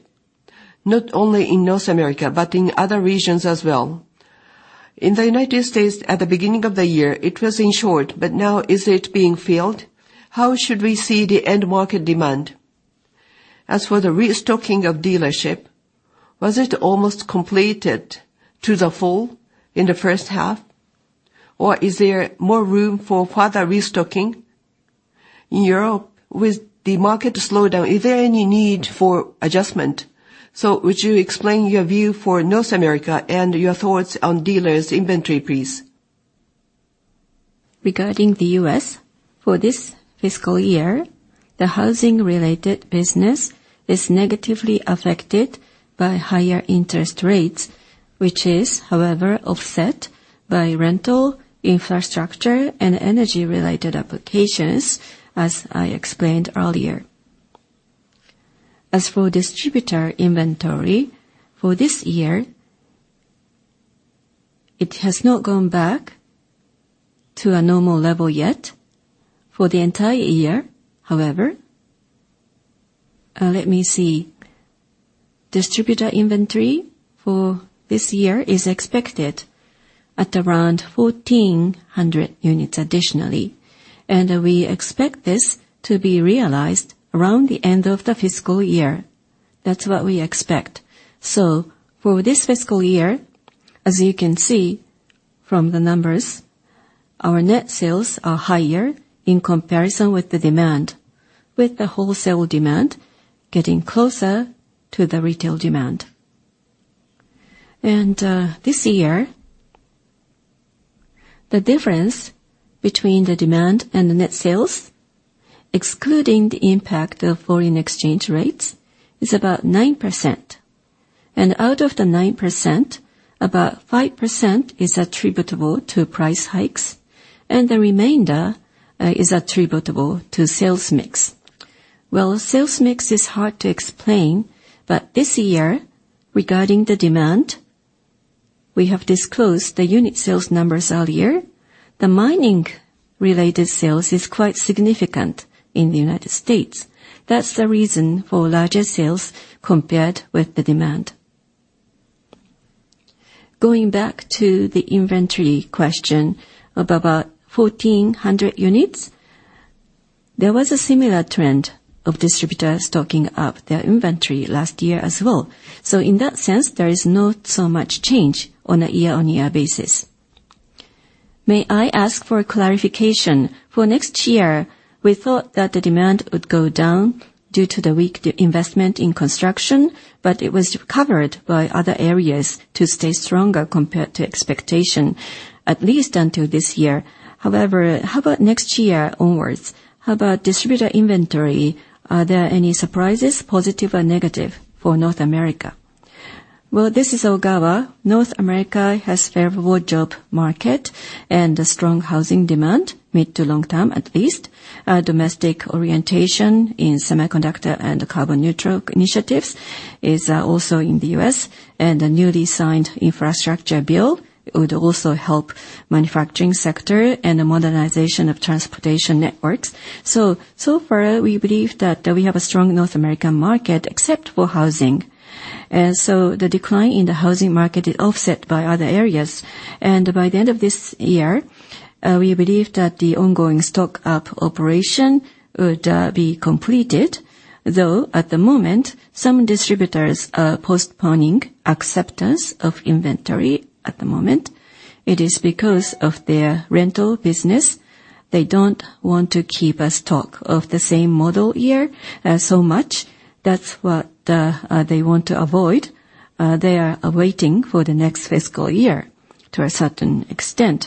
Speaker 7: not only in North America, but in other regions as well. In the United States, at the beginning of the year, it was in short, but now is it being filled? How should we see the end market demand? As for the restocking of dealerships, was it almost completed to the full in the first half, or is there more room for further restocking? In Europe, with the market slowdown, is there any need for adjustment? Would you explain your view for North America and your thoughts on dealers' inventory, please?
Speaker 5: Regarding the U.S., for this fiscal year, the housing-related business is negatively affected by higher interest rates, which is, however, offset by rental, infrastructure, and energy-related applications, as I explained earlier. As for distributor inventory, for this year, it has not gone back to a normal level yet. For the entire year, however, let me see. Distributor inventory for this year is expected at around 1,400 units additionally, and we expect this to be realized around the end of the fiscal year. That's what we expect. So for this fiscal year, as you can see from the numbers, our net sales are higher in comparison with the demand, with the wholesale demand getting closer to the retail demand. And, this year, the difference between the demand and the net sales, excluding the impact of foreign exchange rates, is about 9%. Out of the 9%, about 5% is attributable to price hikes, and the remainder is attributable to sales mix. Well, sales mix is hard to explain, but this year, regarding the demand, we have disclosed the unit sales numbers earlier. The mining-related sales is quite significant in the United States. That's the reason for larger sales compared with the demand. Going back to the inventory question of about 1,400 units, there was a similar trend of distributors stocking up their inventory last year as well. So in that sense, there is not so much change on a year-on-year basis.
Speaker 7: May I ask for a clarification? For next year, we thought that the demand would go down due to the weak investment in construction, but it was covered by other areas to stay stronger compared to expectation, at least until this year. However, how about next year onwards? How about distributor inventory? Are there any surprises, positive or negative, for North America?
Speaker 5: Well, this is Ogawa. North America has favorable job market and a strong housing demand, mid to long term, at least. Domestic orientation in semiconductor and carbon neutral initiatives is also in the U.S., and a newly signed infrastructure bill would also help manufacturing sector and the modernization of transportation networks. So, so far, we believe that, that we have a strong North American market, except for housing. So the decline in the housing market is offset by other areas, and by the end of this year, we believe that the ongoing stock up operation would be completed. Though at the moment, some distributors are postponing acceptance of inventory. ... at the moment, it is because of their rental business. They don't want to keep a stock of the same model year so much. That's what they want to avoid. They are waiting for the next fiscal year to a certain extent.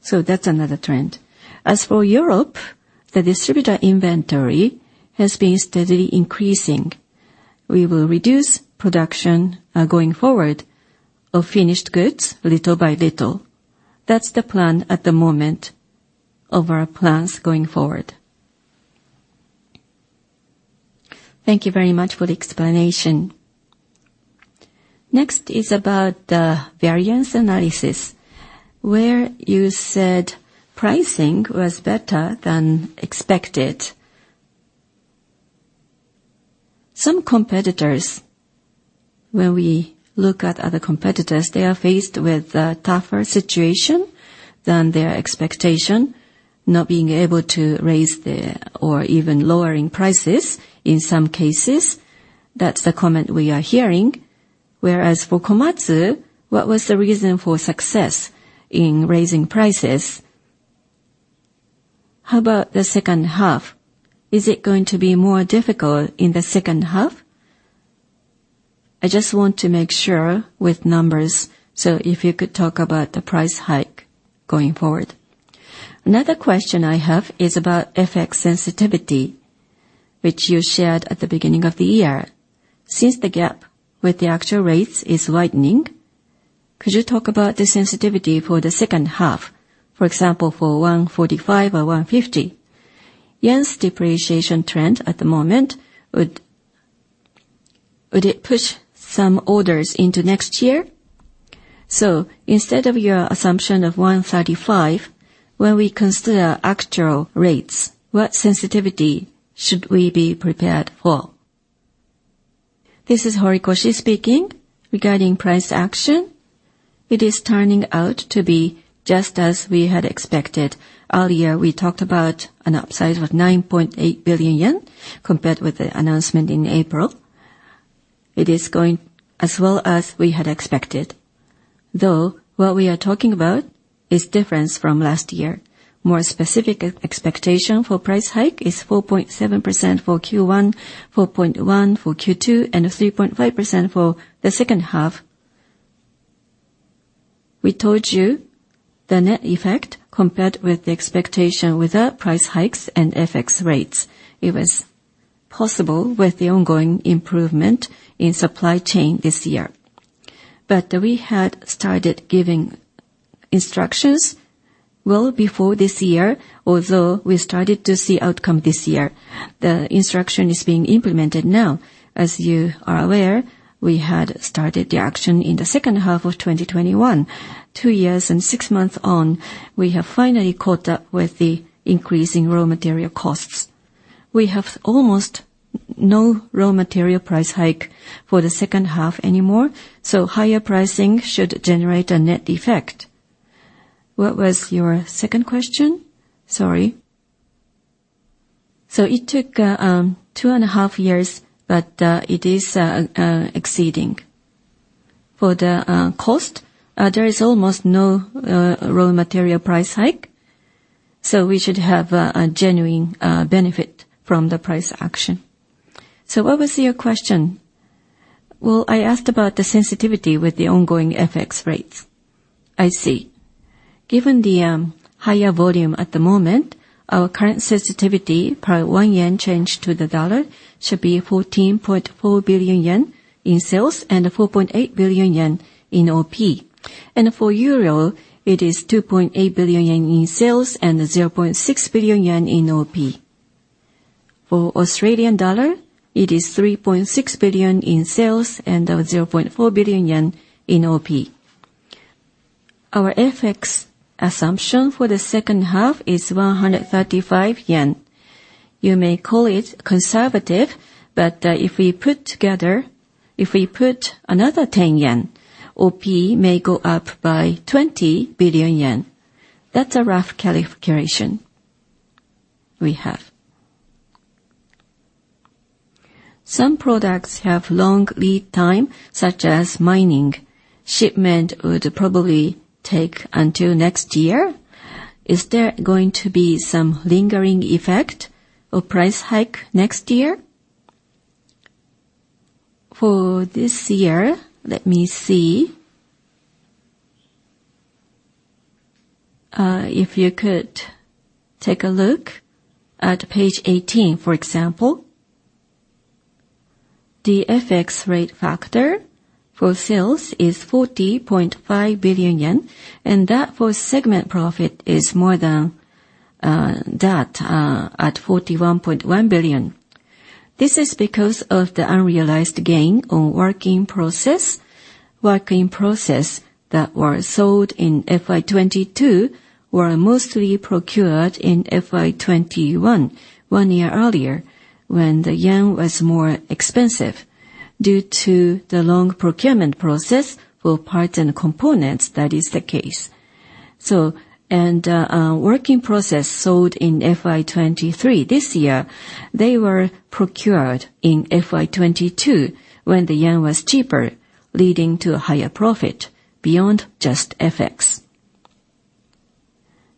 Speaker 5: So that's another trend. As for Europe, the distributor inventory has been steadily increasing. We will reduce production going forward of finished goods little by little. That's the plan at the moment of our plans going forward.
Speaker 7: Thank you very much for the explanation. Next is about the variance analysis, where you said pricing was better than expected. Some competitors, when we look at other competitors, they are faced with a tougher situation than their expectation, not being able to raise the, or even lowering prices in some cases. That's the comment we are hearing. Whereas for Komatsu, what was the reason for success in raising prices? How about the second half? Is it going to be more difficult in the second half? I just want to make sure with numbers, so if you could talk about the price hike going forward. Another question I have is about FX sensitivity, which you shared at the beginning of the year. Since the gap with the actual rates is widening, could you talk about the sensitivity for the second half, for example, for 145 or 150? Yen's depreciation trend at the moment, would it push some orders into next year? So instead of your assumption of 135, when we consider actual rates, what sensitivity should we be prepared for?
Speaker 1: This is Horikoshi speaking. Regarding price action, it is turning out to be just as we had expected. Earlier, we talked about an upside of 9.8 billion yen, compared with the announcement in April. It is going as well as we had expected. Though, what we are talking about is difference from last year. More specific expectation for price hike is 4.7% for Q1, 4.1% for Q2, and 3.5% for the second half. We told you the net effect, compared with the expectation without price hikes and FX rates, it was possible with the ongoing improvement in supply chain this year. But we had started giving instructions well before this year, although we started to see outcome this year. The instruction is being implemented now. As you are aware, we had started the action in the second half of 2021. Two years and six months on, we have finally caught up with the increase in raw material costs. We have almost no raw material price hike for the second half anymore, so higher pricing should generate a net effect. What was your second question? Sorry. So it took 2.5 years, but it is exceeding. For the cost, there is almost no raw material price hike, so we should have a genuine benefit from the price action. So what was your question?
Speaker 7: Well, I asked about the sensitivity with the ongoing FX rates.
Speaker 1: I see. Given the higher volume at the moment, our current sensitivity per 1 yen change to the USD should be 14.4 billion yen in sales and 4.8 billion yen in OP. And for EUR, it is 2.8 billion yen in sales and 0.6 billion yen in OP. For AUD, it is 3.6 billion in sales and 0.4 billion yen in OP. Our FX assumption for the second half is 135 yen. You may call it conservative, but if we put another 10 yen, OP may go up by 20 billion yen. That's a rough calibration we have.
Speaker 7: Some products have long lead time, such as mining. Shipment would probably take until next year. Is there going to be some lingering effect or price hike next year?
Speaker 1: For this year, let me see. If you could take a look at page 18, for example, the FX rate factor for sales is 40.5 billion yen, and that for segment profit is more than that at 41.1 billion. This is because of the unrealized gain on work in process. Work in process that were sold in FY 2022 were mostly procured in FY 2021, one year earlier, when the yen was more expensive. Due to the long procurement process for parts and components, that is the case. Work in process sold in FY 2023, this year, they were procured in FY 2022, when the yen was cheaper, leading to a higher profit beyond just FX.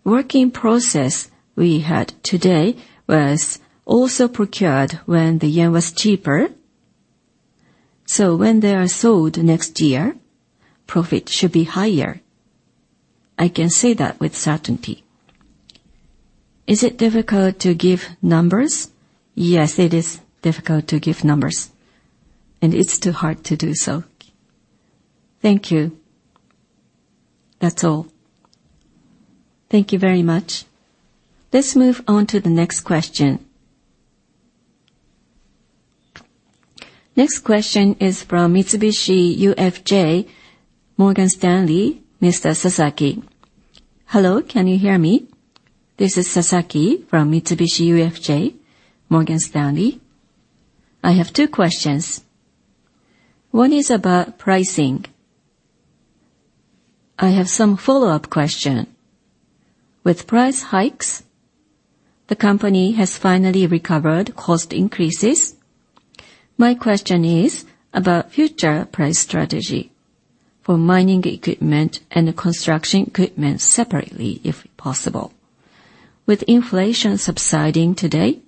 Speaker 1: Work in process we had today was also procured when the yen was cheaper, so when they are sold next year, profit should be higher. I can say that with certainty.
Speaker 7: Is it difficult to give numbers?
Speaker 1: Yes, it is difficult to give numbers, and it's too hard to do so.
Speaker 7: Thank you. That's all.
Speaker 3: Thank you very much. Let's move on to the next question. Next question is from Mitsubishi UFJ Morgan Stanley, Mr. Sasaki. Hello, can you hear me?
Speaker 8: This is Sasaki from Mitsubishi UFJ Morgan Stanley. I have two questions. One is about pricing. I have some follow-up question. With price hikes, the company has finally recovered cost increases. My question is about future price strategy for mining equipment and construction equipment separately, if possible. With inflation subsiding today,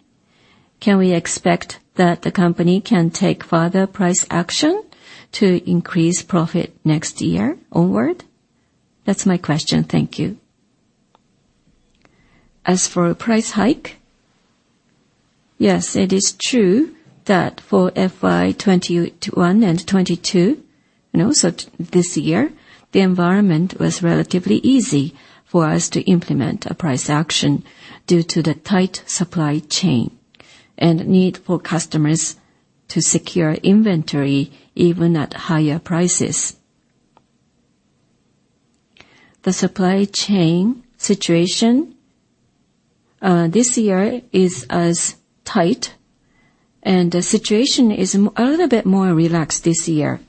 Speaker 8: can we expect that the company can take further price action to increase profit next year onward? That's my question. Thank you.
Speaker 1: As for price hike, yes, it is true that for FY 2021 and 2022, you know, so this year, the environment was relatively easy for us to implement a price action due to the tight supply chain and need for customers to secure inventory, even at higher prices. The supply chain situation this year is as tight, and the situation is a little bit more relaxed this year.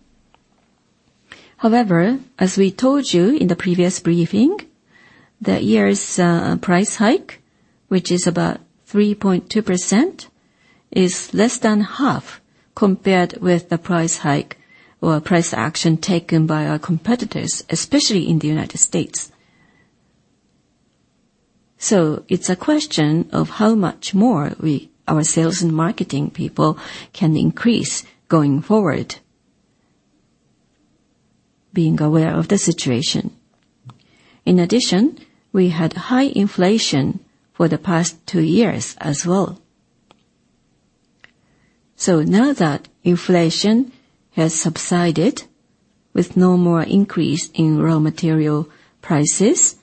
Speaker 1: However, as we told you in the previous briefing, the year's price hike, which is about 3.2%, is less than half compared with the price hike or price action taken by our competitors, especially in the United States. So it's a question of how much more we, our sales and marketing people, can increase going forward, being aware of the situation. In addition, we had high inflation for the past two years as well. So now that inflation has subsided, with no more increase in raw material prices,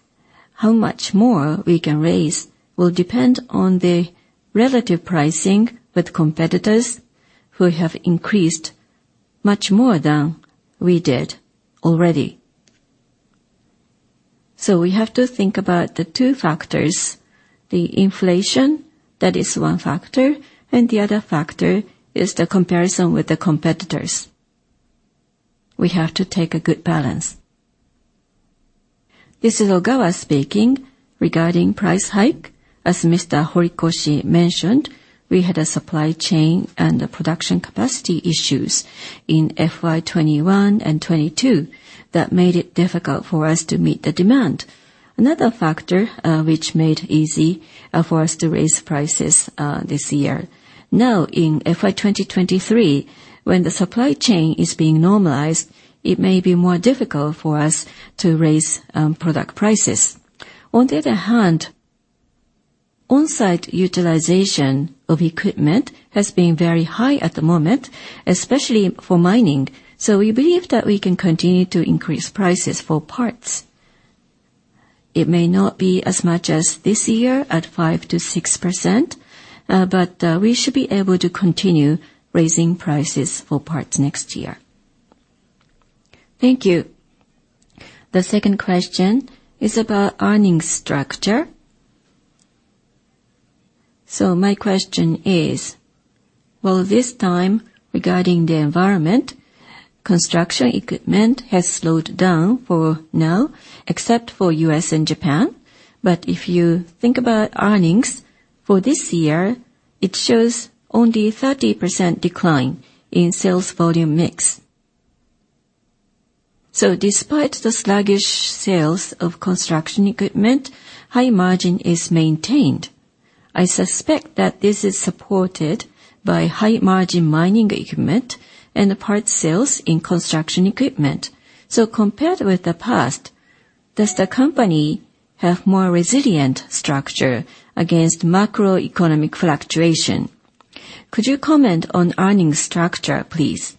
Speaker 1: how much more we can raise will depend on the relative pricing with competitors who have increased much more than we did already. So we have to think about the two factors, the inflation, that is one factor, and the other factor is the comparison with the competitors. We have to take a good balance.
Speaker 5: This is Ogawa speaking. Regarding price hike, as Mr. Horikoshi mentioned, we had a supply chain and production capacity issues in FY 2021 and 2022 that made it difficult for us to meet the demand. Another factor, which made easy for us to raise prices this year. Now, in FY 2023, when the supply chain is being normalized, it may be more difficult for us to raise product prices. On the other hand, on-site utilization of equipment has been very high at the moment, especially for mining, so we believe that we can continue to increase prices for parts. It may not be as much as this year, at 5%-6%, but we should be able to continue raising prices for parts next year.
Speaker 8: Thank you. The second question is about earnings structure. So my question is, well, this time, regarding the environment, construction equipment has slowed down for now, except for U.S. and Japan. But if you think about earnings for this year, it shows only 30% decline in sales volume mix. So despite the sluggish sales of construction equipment, high margin is maintained. I suspect that this is supported by high-margin mining equipment and parts sales in construction equipment. Compared with the past, does the company have more resilient structure against macroeconomic fluctuation? Could you comment on earnings structure, please?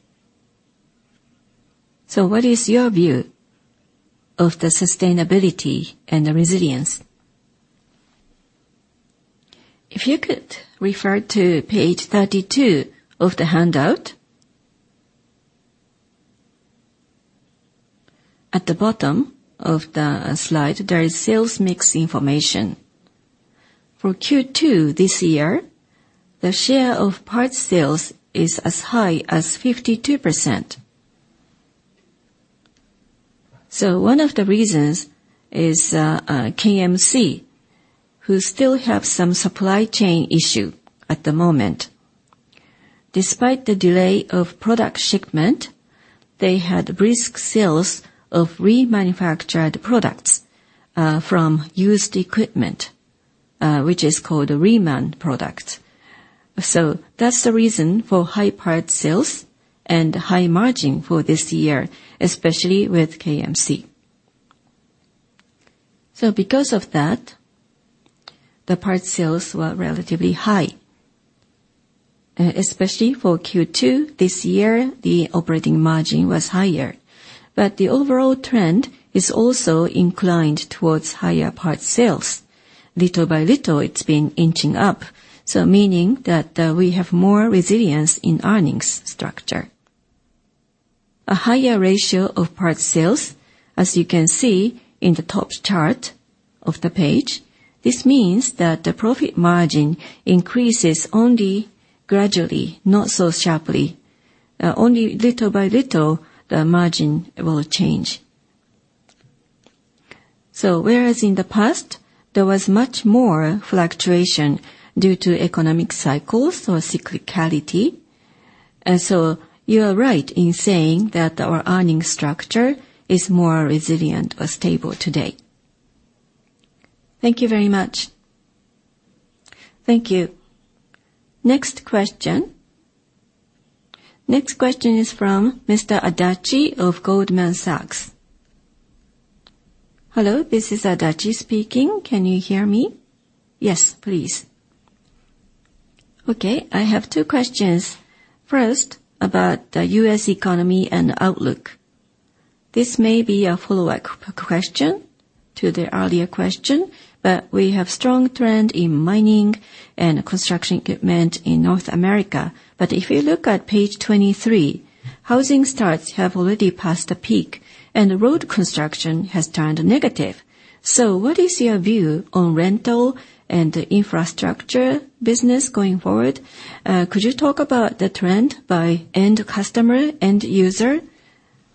Speaker 8: What is your view of the sustainability and the resilience?
Speaker 5: If you could refer to page 32 of the handout. At the bottom of the slide, there is sales mix information for Q2 this year; the share of parts sales is as high as 52%. One of the reasons is KMC, who still have some supply chain issue at the moment. Despite the delay of product shipment, they had brisk sales of remanufactured products from used equipment, which is called a Reman product. That's the reason for high parts sales and high margin for this year, especially with KMC. Because of that, the parts sales were relatively high. Especially for Q2 this year, the operating margin was higher. But the overall trend is also inclined towards higher parts sales. Little by little, it's been inching up, so meaning that, we have more resilience in earnings structure. A higher ratio of parts sales, as you can see in the top chart of the page, this means that the profit margin increases only gradually, not so sharply. Only little by little the margin will change. So whereas in the past, there was much more fluctuation due to economic cycles or cyclicality, and so you are right in saying that our earning structure is more resilient or stable today.
Speaker 8: Thank you very much.
Speaker 3: Thank you. Next question? Next question is from Mr. Adachi of Goldman Sachs.
Speaker 9: Hello, this is Adachi speaking. Can you hear me?
Speaker 3: Yes, please.
Speaker 9: Okay, I have two questions. First, about the U.S. economy and outlook. This may be a follow-up question to the earlier question, but we have strong trend in mining and construction equipment in North America. But if you look at page 23, housing starts have already passed the peak, and the road construction has turned negative. So what is your view on rental and infrastructure business going forward? Could you talk about the trend by end customer, end user?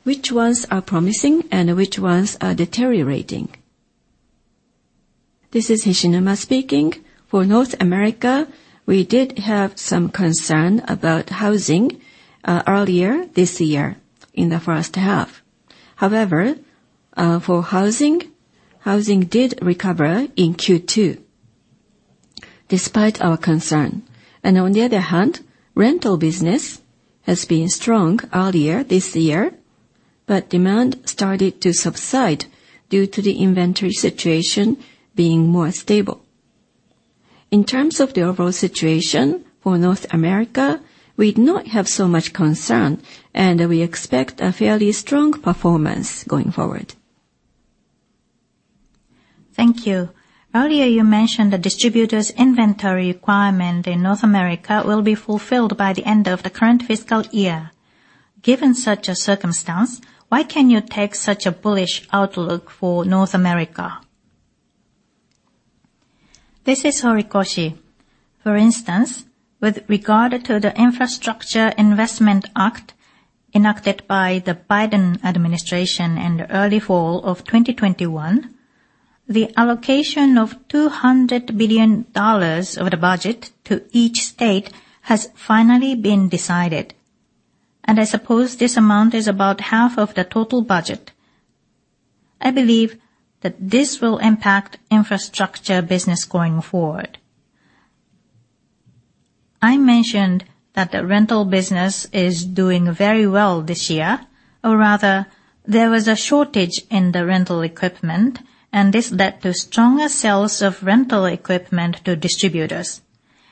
Speaker 9: Which ones are promising and which ones are deteriorating?
Speaker 2: This is Hishinuma speaking. For North America, we did have some concern about housing earlier this year, in the first half. However, for housing, housing did recover in Q2, despite our concern. On the other hand, rental business has been strong earlier this year, but demand started to subside due to the inventory situation being more stable. In terms of the overall situation for North America, we do not have so much concern, and we expect a fairly strong performance going forward.
Speaker 9: Thank you. Earlier, you mentioned the distributors' inventory requirement in North America will be fulfilled by the end of the current fiscal year. Given such a circumstance, why can you take such a bullish outlook for North America?
Speaker 1: This is Horikoshi. For instance, with regard to the Infrastructure Investment Act, enacted by the Biden administration in the early fall of 2021, the allocation of $200 billion of the budget to each state has finally been decided, and I suppose this amount is about half of the total budget. I believe that this will impact infrastructure business going forward. I mentioned that the rental business is doing very well this year, or rather, there was a shortage in the rental equipment, and this led to stronger sales of rental equipment to distributors,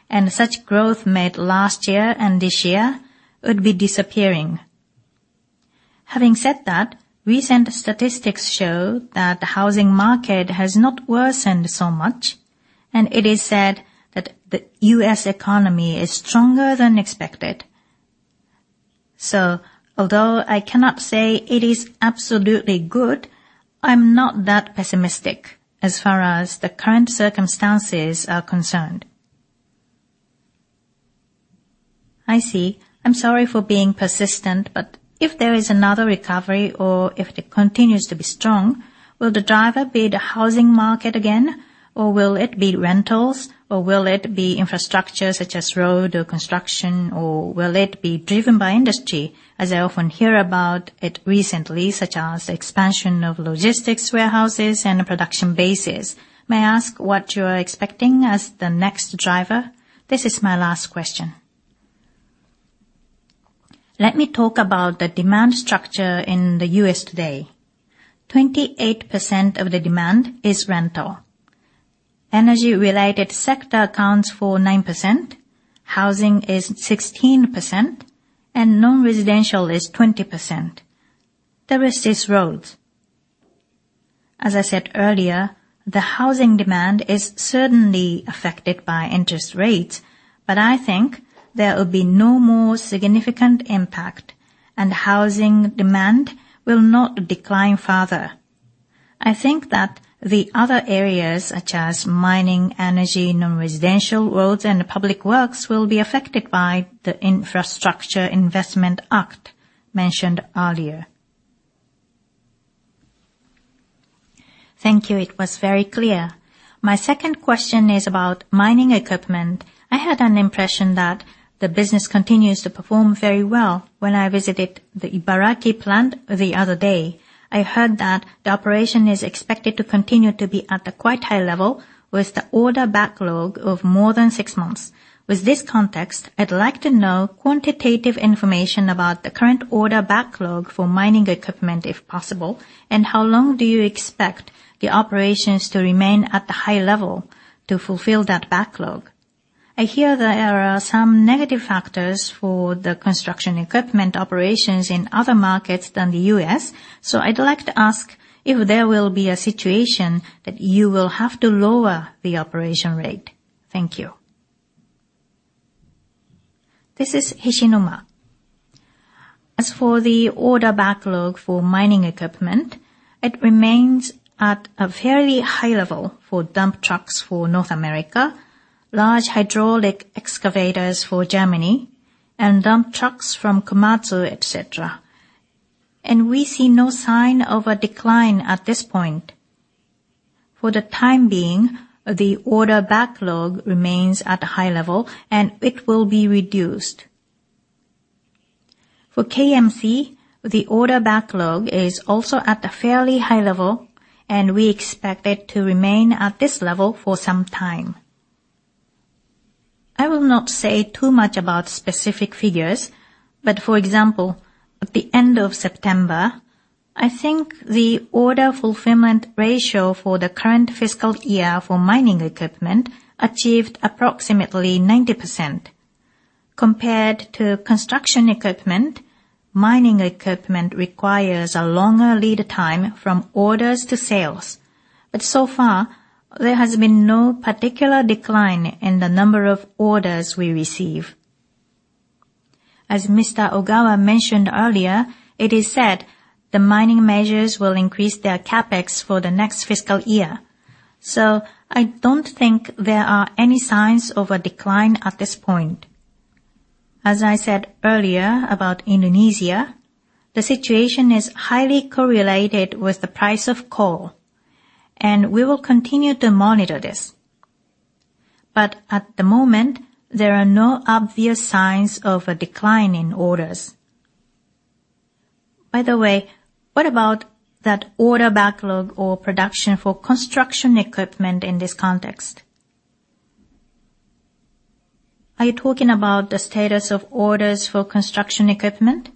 Speaker 1: and such growth made last year and this year would be disappearing. Having said that, recent statistics show that the housing market has not worsened so much, and it is said that the U.S. economy is stronger than expected. Although I cannot say it is absolutely good, I'm not that pessimistic as far as the current circumstances are concerned.
Speaker 9: I see. I'm sorry for being persistent, but if there is another recovery or if it continues to be strong, will the driver be the housing market again, or will it be rentals, or will it be infrastructure such as road or construction, or will it be driven by industry, as I often hear about it recently, such as expansion of logistics, warehouses, and production bases? May I ask what you are expecting as the next driver? This is my last question.
Speaker 1: Let me talk about the demand structure in the U.S. today. 28% of the demand is rental. Energy-related sector accounts for 9%, housing is 16%, and non-residential is 20%. The rest is roads. As I said earlier, the housing demand is certainly affected by interest rates, but I think there will be no more significant impact, and housing demand will not decline further. I think that the other areas, such as mining, energy, non-residential, roads, and public works, will be affected by the Infrastructure Investment Act mentioned earlier.
Speaker 9: Thank you. It was very clear. My second question is about mining equipment. I had an impression that the business continues to perform very well when I visited the Ibaraki Plant the other day. I heard that the operation is expected to continue to be at a quite high level, with the order backlog of more than six months. With this context, I'd like to know quantitative information about the current order backlog for mining equipment, if possible, and how long do you expect the operations to remain at the high level to fulfill that backlog? I hear there are some negative factors for the construction equipment operations in other markets than the U.S., so I'd like to ask if there will be a situation that you will have to lower the operation rate? Thank you.
Speaker 2: This is Hishinuma. As for the order backlog for mining equipment, it remains at a fairly high level for dump trucks for North America, large hydraulic excavators for Germany, and dump trucks from Komatsu, et cetera, and we see no sign of a decline at this point. For the time being, the order backlog remains at a high level, and it will be reduced. For KMC, the order backlog is also at a fairly high level, and we expect it to remain at this level for some time. I will not say too much about specific figures, but for example, at the end of September, I think the order fulfillment ratio for the current fiscal year for mining equipment achieved approximately 90%. Compared to construction equipment, mining equipment requires a longer lead time from orders to sales, but so far, there has been no particular decline in the number of orders we receive. As Mr. Ogawa mentioned earlier, it is said the mining majors will increase their CapEx for the next fiscal year, so I don't think there are any signs of a decline at this point. As I said earlier about Indonesia, the situation is highly correlated with the price of coal, and we will continue to monitor this. But at the moment, there are no obvious signs of a decline in orders.
Speaker 9: By the way, what about that order backlog or production for construction equipment in this context? Are you talking about the status of orders for construction equipment?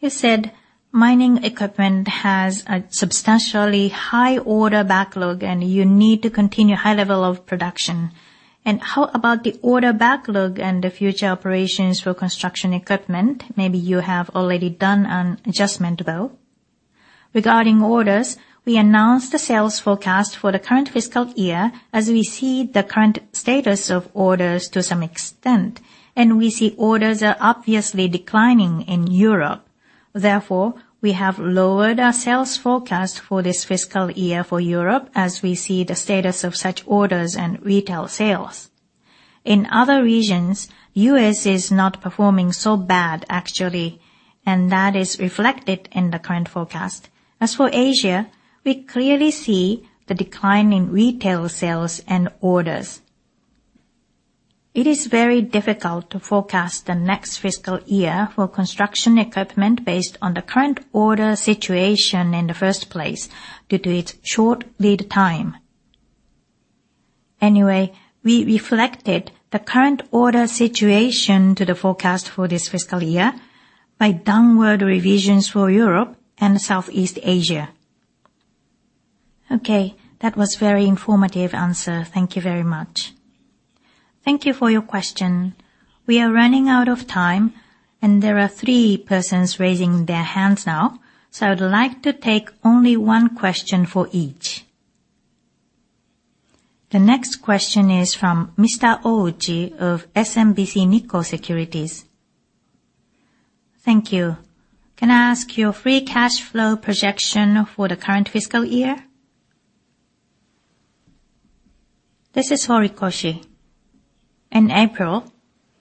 Speaker 9: You said mining equipment has a substantially high order backlog and you need to continue high level of production. And how about the order backlog and the future operations for construction equipment? Maybe you have already done an adjustment, though.
Speaker 2: Regarding orders, we announced the sales forecast for the current fiscal year as we see the current status of orders to some extent, and we see orders are obviously declining in Europe. Therefore, we have lowered our sales forecast for this fiscal year for Europe, as we see the status of such orders and retail sales. In other regions, U.S. is not performing so bad, actually, and that is reflected in the current forecast. As for Asia, we clearly see the decline in retail sales and orders. It is very difficult to forecast the next fiscal year for construction equipment based on the current order situation in the first place, due to its short lead time. Anyway, we reflected the current order situation to the forecast for this fiscal year by downward revisions for Europe and Southeast Asia.
Speaker 9: Okay, that was very informative answer. Thank you very much.
Speaker 3: Thank you for your question. We are running out of time, and there are three persons raising their hands now, so I would like to take only one question for each. The next question is from Mr. Ouchi of SMBC Nikko Securities.
Speaker 10: Thank you. Can I ask your free cash flow projection for the current fiscal year?
Speaker 1: This is Horikoshi. In April,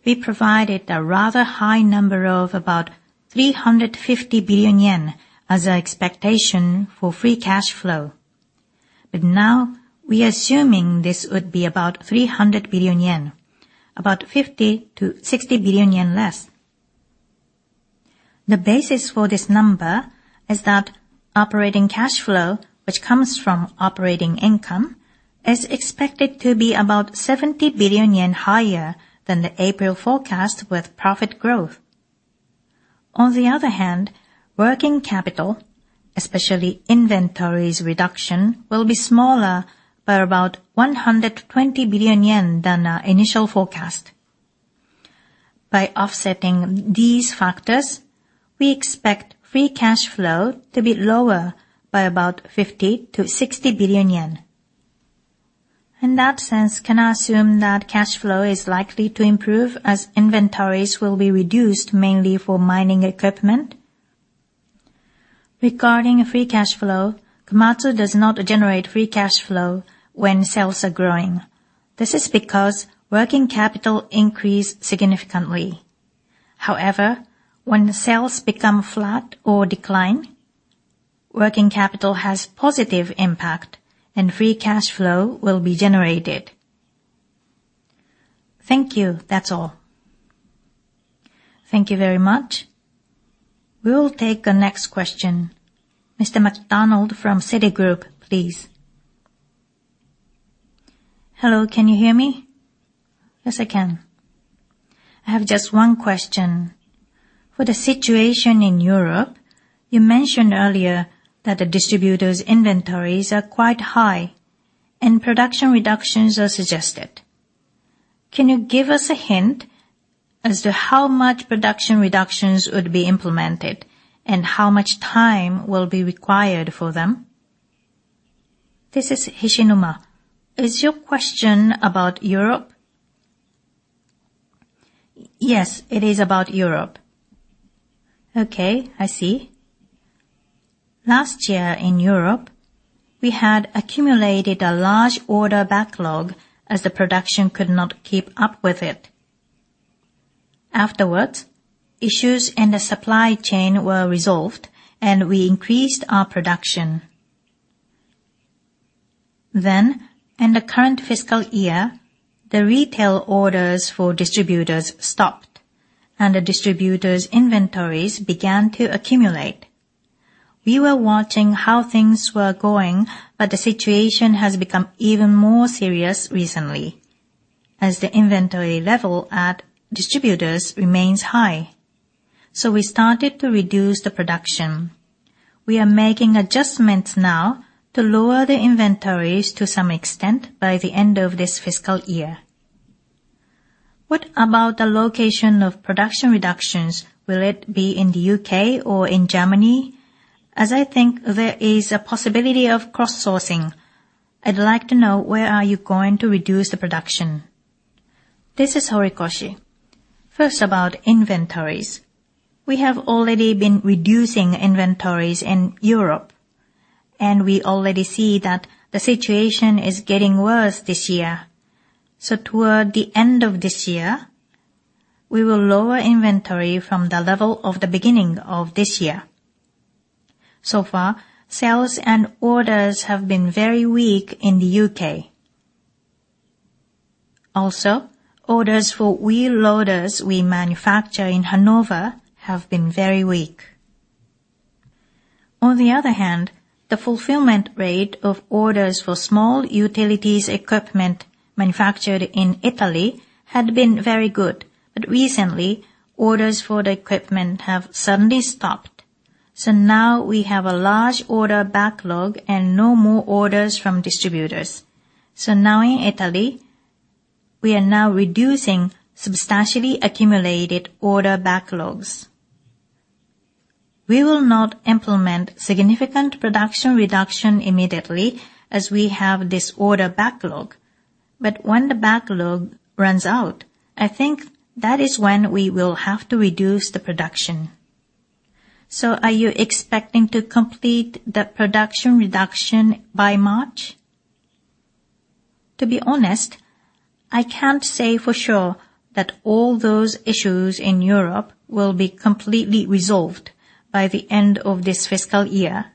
Speaker 1: we provided a rather high number of about 350 billion yen as our expectation for free cash flow. But now, we are assuming this would be about 300 billion yen, about 50 billion-60 billion yen less. The basis for this number is that operating cash flow, which comes from operating income, is expected to be about 70 billion yen higher than the April forecast with profit growth. On the other hand, working capital, especially inventories reduction, will be smaller by about 120 billion yen than our initial forecast. By offsetting these factors, we expect free cash flow to be lower by about 50 billion-60 billion yen.
Speaker 10: In that sense, can I assume that cash flow is likely to improve as inventories will be reduced mainly for mining equipment?
Speaker 1: Regarding free cash flow, Komatsu does not generate free cash flow when sales are growing. This is because working capital increased significantly. However, when the sales become flat or decline, working capital has positive impact, and free cash flow will be generated.
Speaker 10: Thank you. That's all.
Speaker 3: Thank you very much. We will take the next question. Mr. McDonald from Citigroup, please. Hello, can you hear me?
Speaker 11: Yes, I can. I have just one question. For the situation in Europe, you mentioned earlier that the distributors' inventories are quite high and production reductions are suggested. Can you give us a hint as to how much production reductions would be implemented, and how much time will be required for them?
Speaker 2: This is Hishinuma. Is your question about Europe?
Speaker 11: Yes, it is about Europe.
Speaker 2: Okay, I see. Last year in Europe, we had accumulated a large order backlog, as the production could not keep up with it. Afterwards, issues in the supply chain were resolved, and we increased our production. Then, in the current fiscal year, the retail orders for distributors stopped, and the distributors' inventories began to accumulate. We were watching how things were going, but the situation has become even more serious recently, as the inventory level at distributors remains high. So we started to reduce the production. We are making adjustments now to lower the inventories to some extent by the end of this fiscal year.
Speaker 11: What about the location of production reductions? Will it be in the U.K. or in Germany? As I think there is a possibility of cross-sourcing, I'd like to know where are you going to reduce the production.
Speaker 1: This is Horikoshi. First, about inventories. We have already been reducing inventories in Europe, and we already see that the situation is getting worse this year. So toward the end of this year, we will lower inventory from the level of the beginning of this year. So far, sales and orders have been very weak in the U.K. Also, orders for wheel loaders we manufacture in Hanover have been very weak. On the other hand, the fulfillment rate of orders for small utilities equipment manufactured in Italy had been very good, but recently, orders for the equipment have suddenly stopped. So now we have a large order backlog and no more orders from distributors. So now in Italy, we are now reducing substantially accumulated order backlogs. We will not implement significant production reduction immediately, as we have this order backlog, but when the backlog runs out, I think that is when we will have to reduce the production.
Speaker 11: So are you expecting to complete the production reduction by March?
Speaker 1: To be honest, I can't say for sure that all those issues in Europe will be completely resolved by the end of this fiscal year.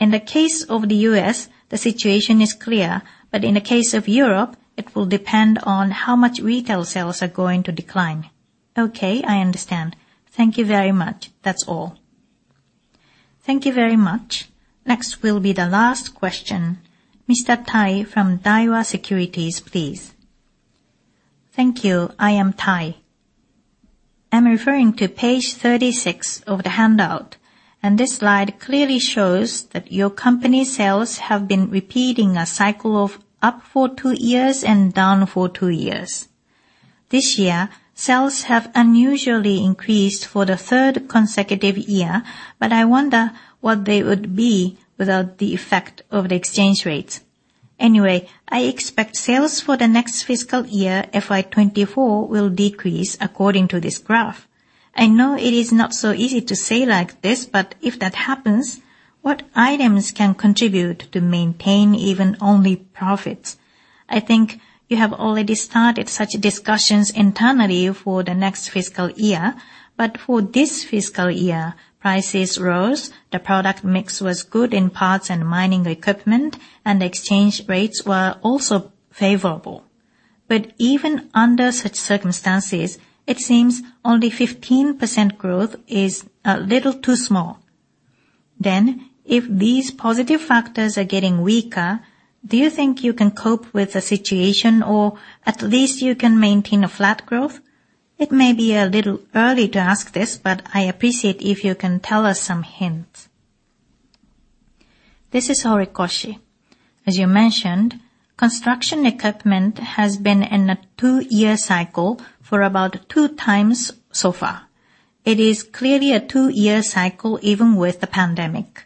Speaker 1: In the case of the U.S., the situation is clear, but in the case of Europe, it will depend on how much retail sales are going to decline.
Speaker 11: Okay, I understand. Thank you very much. That's all.
Speaker 3: Thank you very much. Next will be the last question. Mr. Tai from Daiwa Securities, please.
Speaker 12: Thank you. I am Tai. I'm referring to page 36 of the handout, and this slide clearly shows that your company's sales have been repeating a cycle of up for two years and down for two years. This year, sales have unusually increased for the third consecutive year, but I wonder what they would be without the effect of the exchange rates. Anyway, I expect sales for the next fiscal year, FY 2024, will decrease according to this graph. I know it is not so easy to say like this, but if that happens, what items can contribute to maintain even only profits? I think you have already started such discussions internally for the next fiscal year, but for this fiscal year, prices rose, the product mix was good in parts and mining equipment, and the exchange rates were also favorable. But even under such circumstances, it seems only 15% growth is a little too small. Then, if these positive factors are getting weaker, do you think you can cope with the situation, or at least you can maintain a flat growth? It may be a little early to ask this, but I appreciate if you can tell us some hints.
Speaker 1: This is Horikoshi. As you mentioned, construction equipment has been in a two-year cycle for about two times so far.... It is clearly a two-year cycle, even with the pandemic.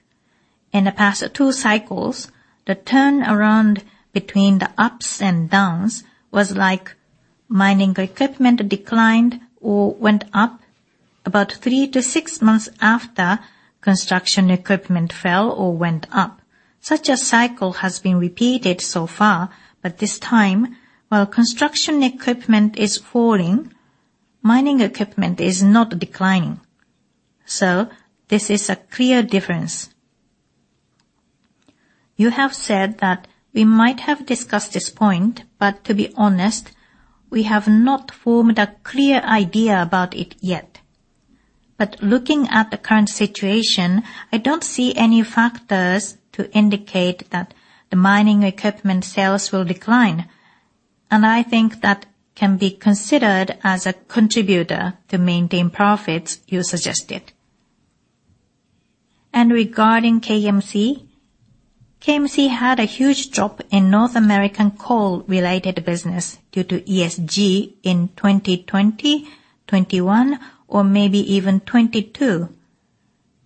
Speaker 1: In the past two cycles, the turnaround between the ups and downs was like mining equipment declined or went up about 3 months-6 months after construction equipment fell or went up. Such a cycle has been repeated so far, but this time, while construction equipment is falling, mining equipment is not declining. So this is a clear difference. You have said that we might have discussed this point, but to be honest, we have not formed a clear idea about it yet. But looking at the current situation, I don't see any factors to indicate that the mining equipment sales will decline, and I think that can be considered as a contributor to maintain profits you suggested. Regarding KMC, KMC had a huge drop in North American coal-related business due to ESG in 2020, 2021, or maybe even 2022,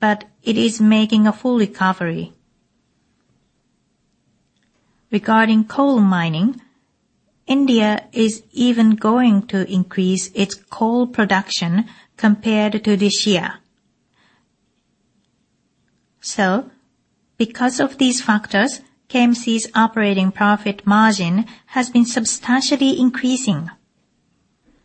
Speaker 1: but it is making a full recovery. Regarding coal mining, India is even going to increase its coal production compared to this year. Because of these factors, KMC's operating profit margin has been substantially increasing.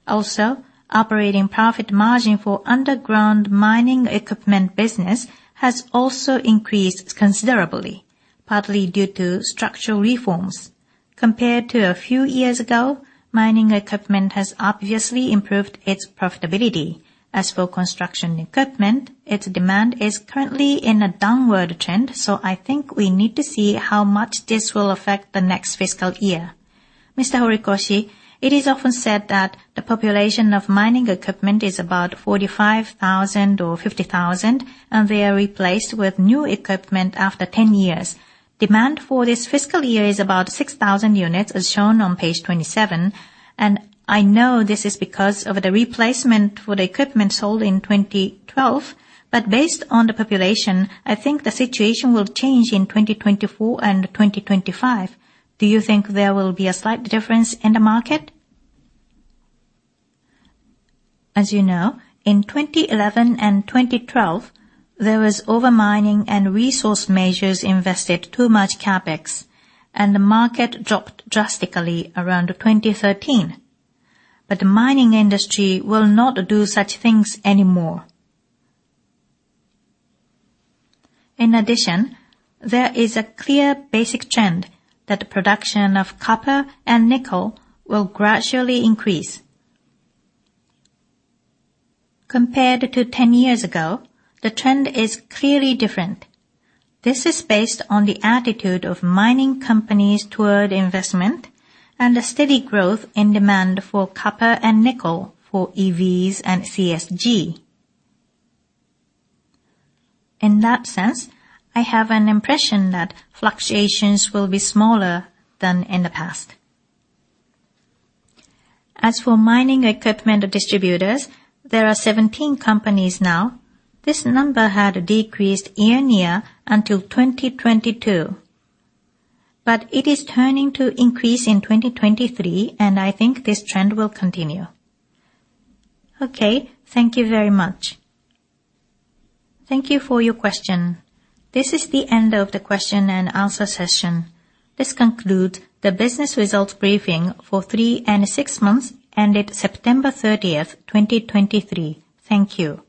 Speaker 1: Also, operating profit margin for underground mining equipment business has also increased considerably, partly due to structural reforms. Compared to a few years ago, mining equipment has obviously improved its profitability. As for construction equipment, its demand is currently in a downward trend, so I think we need to see how much this will affect the next fiscal year. Mr. Horikoshi, it is often said that the population of mining equipment is about 45,000 or 50,000, and they are replaced with new equipment after 10 years. Demand for this fiscal year is about 6,000 units, as shown on page 27, and I know this is because of the replacement for the equipment sold in 2012. But based on the population, I think the situation will change in 2024 and 2025.
Speaker 12: Do you think there will be a slight difference in the market?
Speaker 1: As you know, in 2011 and 2012, there was over-mining and resource majors invested too much CapEx, and the market dropped drastically around 2013. But the mining industry will not do such things anymore. In addition, there is a clear basic trend that the production of copper and nickel will gradually increase. Compared to 10 years ago, the trend is clearly different. This is based on the attitude of mining companies toward investment and a steady growth in demand for copper and nickel for EVs and CSG. In that sense, I have an impression that fluctuations will be smaller than in the past. As for mining equipment distributors, there are 17 companies now. This number had decreased year on year until 2022, but it is turning to increase in 2023, and I think this trend will continue.
Speaker 12: Okay, thank you very much.
Speaker 3: Thank you for your question. This is the end of the question-and-answer session. This concludes the business results briefing for three and six months, ended September 30th, 2023. Thank you.